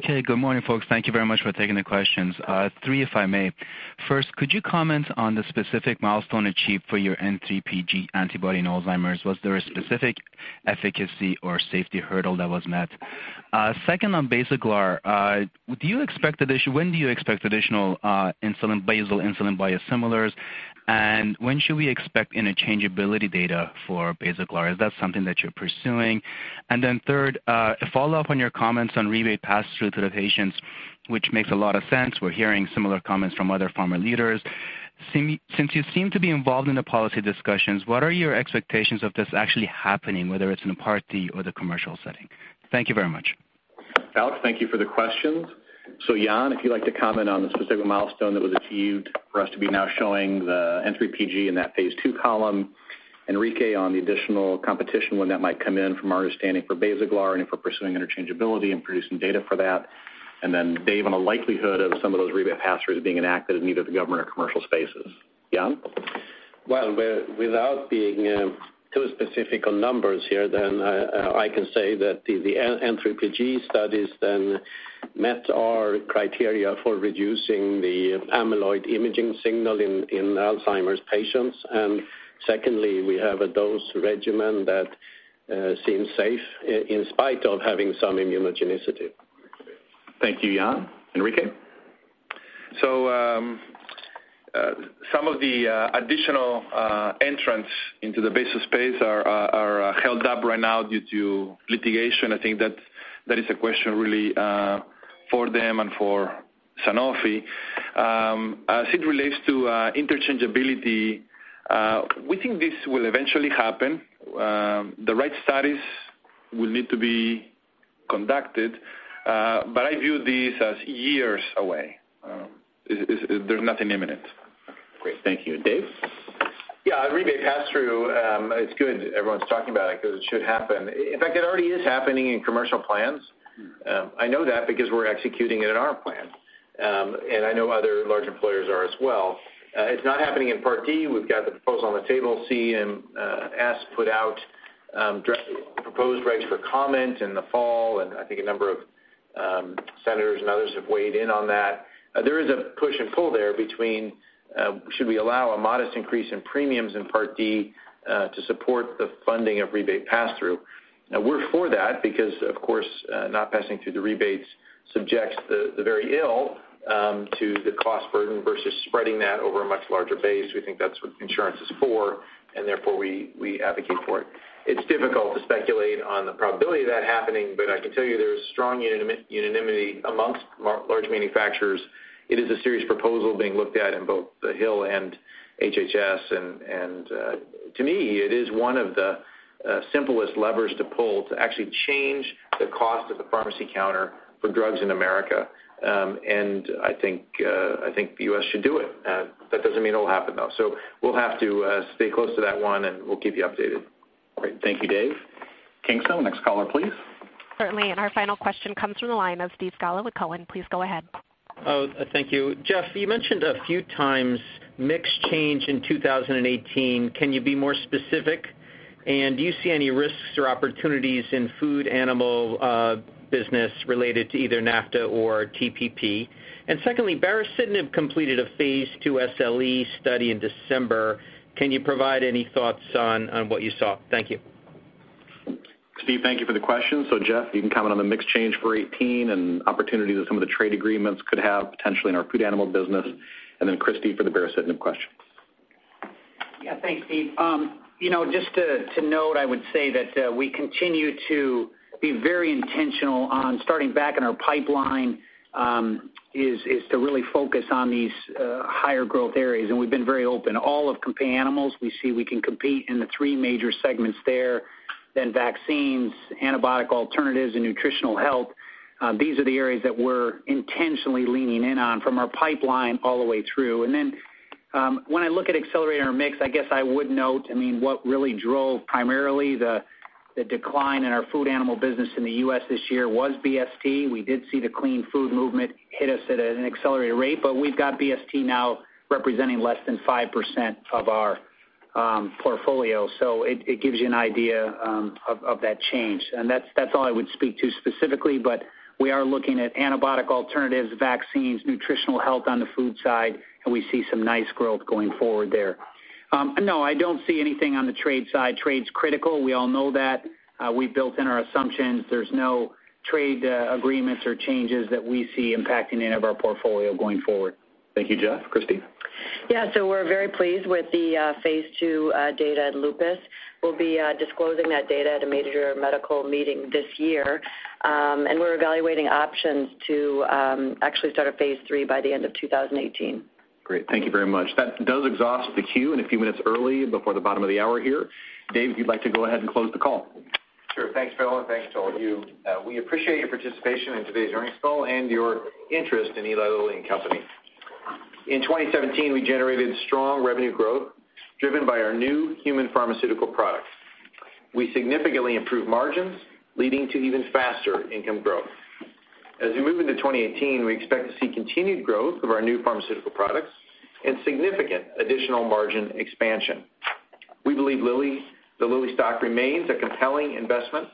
Good morning, folks. Thank you very much for taking the questions. Three, if I may. First, could you comment on the specific milestone achieved for your N3pG antibody in Alzheimer's? Was there a specific efficacy or safety hurdle that was met? Second, on Basaglar, when do you expect additional basal insulin biosimilars, and when should we expect interchangeability data for Basaglar? Is that something that you're pursuing? Then third, a follow-up on your comments on rebate pass-through to the patients, which makes a lot of sense. We're hearing similar comments from other pharma leaders. Since you seem to be involved in the policy discussions, what are your expectations of this actually happening, whether it's in a Part D or the commercial setting? Thank you very much. Alex, thank you for the questions. Jan, if you'd like to comment on the specific milestone that was achieved for us to be now showing the N3pG in that phase II column, Enrique on the additional competition, when that might come in from our understanding for Basaglar and if we're pursuing interchangeability and producing data for that, and then Dave on the likelihood of some of those rebate pass-throughs being enacted in either the government or commercial spaces. Jan? Well, without being too specific on numbers here, then I can say that the N3pG studies then met our criteria for reducing the amyloid imaging signal in Alzheimer's patients. Secondly, we have a dose regimen that seems safe in spite of having some immunogenicity. Thank you, Jan. Enrique? Some of the additional entrants into the Basaglar space are held up right now due to litigation. I think that is a question really for them and for Sanofi. As it relates to interchangeability, we think this will eventually happen. The right studies will need to be conducted, but I view these as years away. There's nothing imminent. Great. Thank you. Dave? Yeah. Rebate passthrough, it's good everyone's talking about it because it should happen. In fact, it already is happening in commercial plans. I know that because we're executing it in our plan. I know other large employers are as well. It's not happening in Part D. We've got the proposal on the table. CMS put out proposed regs for comment in the fall, I think a number of senators and others have weighed in on that. There is a push and pull there between should we allow a modest increase in premiums in Part D to support the funding of rebate passthrough? Now, we're for that because, of course, not passing through the rebates subjects the very ill to the cost burden versus spreading that over a much larger base. We think that's what insurance is for, therefore, we advocate for it. It's difficult to speculate on the probability of that happening, I can tell you there's strong unanimity amongst large manufacturers. It is a serious proposal being looked at in both the Hill and HHS. To me, it is one of the simplest levers to pull to actually change the cost of the pharmacy counter for drugs in America. I think the U.S. should do it. That doesn't mean it'll happen, though. We'll have to stay close to that one, and we'll keep you updated. Great. Thank you, Dave. Kingston, next caller, please. Certainly. Our final question comes from the line of Steve Scala with Cowen. Please go ahead. Oh, thank you. Jeff, you mentioned a few times mix change in 2018. Can you be more specific? Do you see any risks or opportunities in food animal business related to either NAFTA or TPP? Secondly, baricitinib completed a phase II SLE study in December. Can you provide any thoughts on what you saw? Thank you. Steve, thank you for the question. Jeff, you can comment on the mix change for 2018 and opportunities that some of the trade agreements could have potentially in our food animal business. Christi for the baricitinib question. Yeah. Thanks, Steve. Just to note, I would say that we continue to be very intentional on starting back in our pipeline, is to really focus on these higher growth areas, and we've been very open. All of Companion Animals, we see we can compete in the three major segments there. Vaccines, antibiotic alternatives, and nutritional health. These are the areas that we're intentionally leaning in on from our pipeline all the way through. When I look at accelerating our mix, I guess I would note, what really drove primarily the decline in our food animal business in the U.S. this year was rBST. We did see the clean food movement hit us at an accelerated rate, but we've got rBST now representing less than 5% of our portfolio. It gives you an idea of that change. That's all I would speak to specifically, but we are looking at antibiotic alternatives, vaccines, nutritional health on the food side, and we see some nice growth going forward there. No, I don't see anything on the trade side. Trade's critical. We all know that. We've built in our assumptions. There's no trade agreements or changes that we see impacting any of our portfolio going forward. Thank you, Jeff. Christine? We're very pleased with the phase II data at Lupus. We'll be disclosing that data at a major medical meeting this year. We're evaluating options to actually start a phase III by the end of 2018. Great. Thank you very much. That does exhaust the queue and a few minutes early before the bottom of the hour here. Dave, if you'd like to go ahead and close the call. Thanks, Phil, and thanks to all of you. We appreciate your participation in today's earnings call and your interest in Eli Lilly and Company. In 2017, we generated strong revenue growth driven by our new human pharmaceutical products. We significantly improved margins, leading to even faster income growth. As we move into 2018, we expect to see continued growth of our new pharmaceutical products and significant additional margin expansion. We believe the Lilly stock remains a compelling investment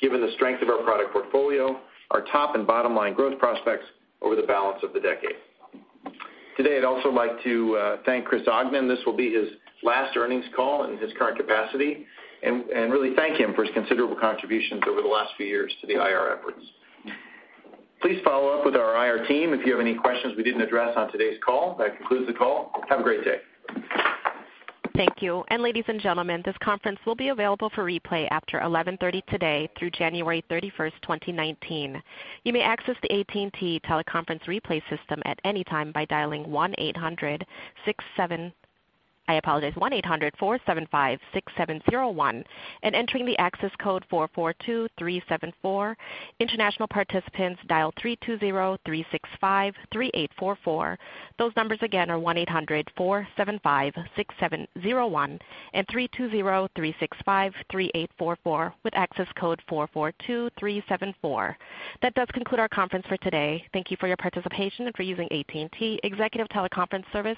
given the strength of our product portfolio, our top and bottom line growth prospects over the balance of the decade. I'd also like to thank Chris Ogden. This will be his last earnings call in his current capacity, Really thank him for his considerable contributions over the last few years to the IR efforts. Please follow up with our IR team if you have any questions we didn't address on today's call. That concludes the call. Have a great day. Thank you. Ladies and gentlemen, this conference will be available for replay after 11:30 today through January 31st, 2019. You may access the AT&T teleconference replay system at any time by dialing 1-800-475-6701 and entering the access code 442374. International participants dial 320-365-3844. Those numbers again are 1-800-475-6701 and 320-365-3844 with access code 442374. That does conclude our conference for today. Thank you for your participation and for using AT&T Executive Teleconference Service.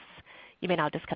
You may now disconnect.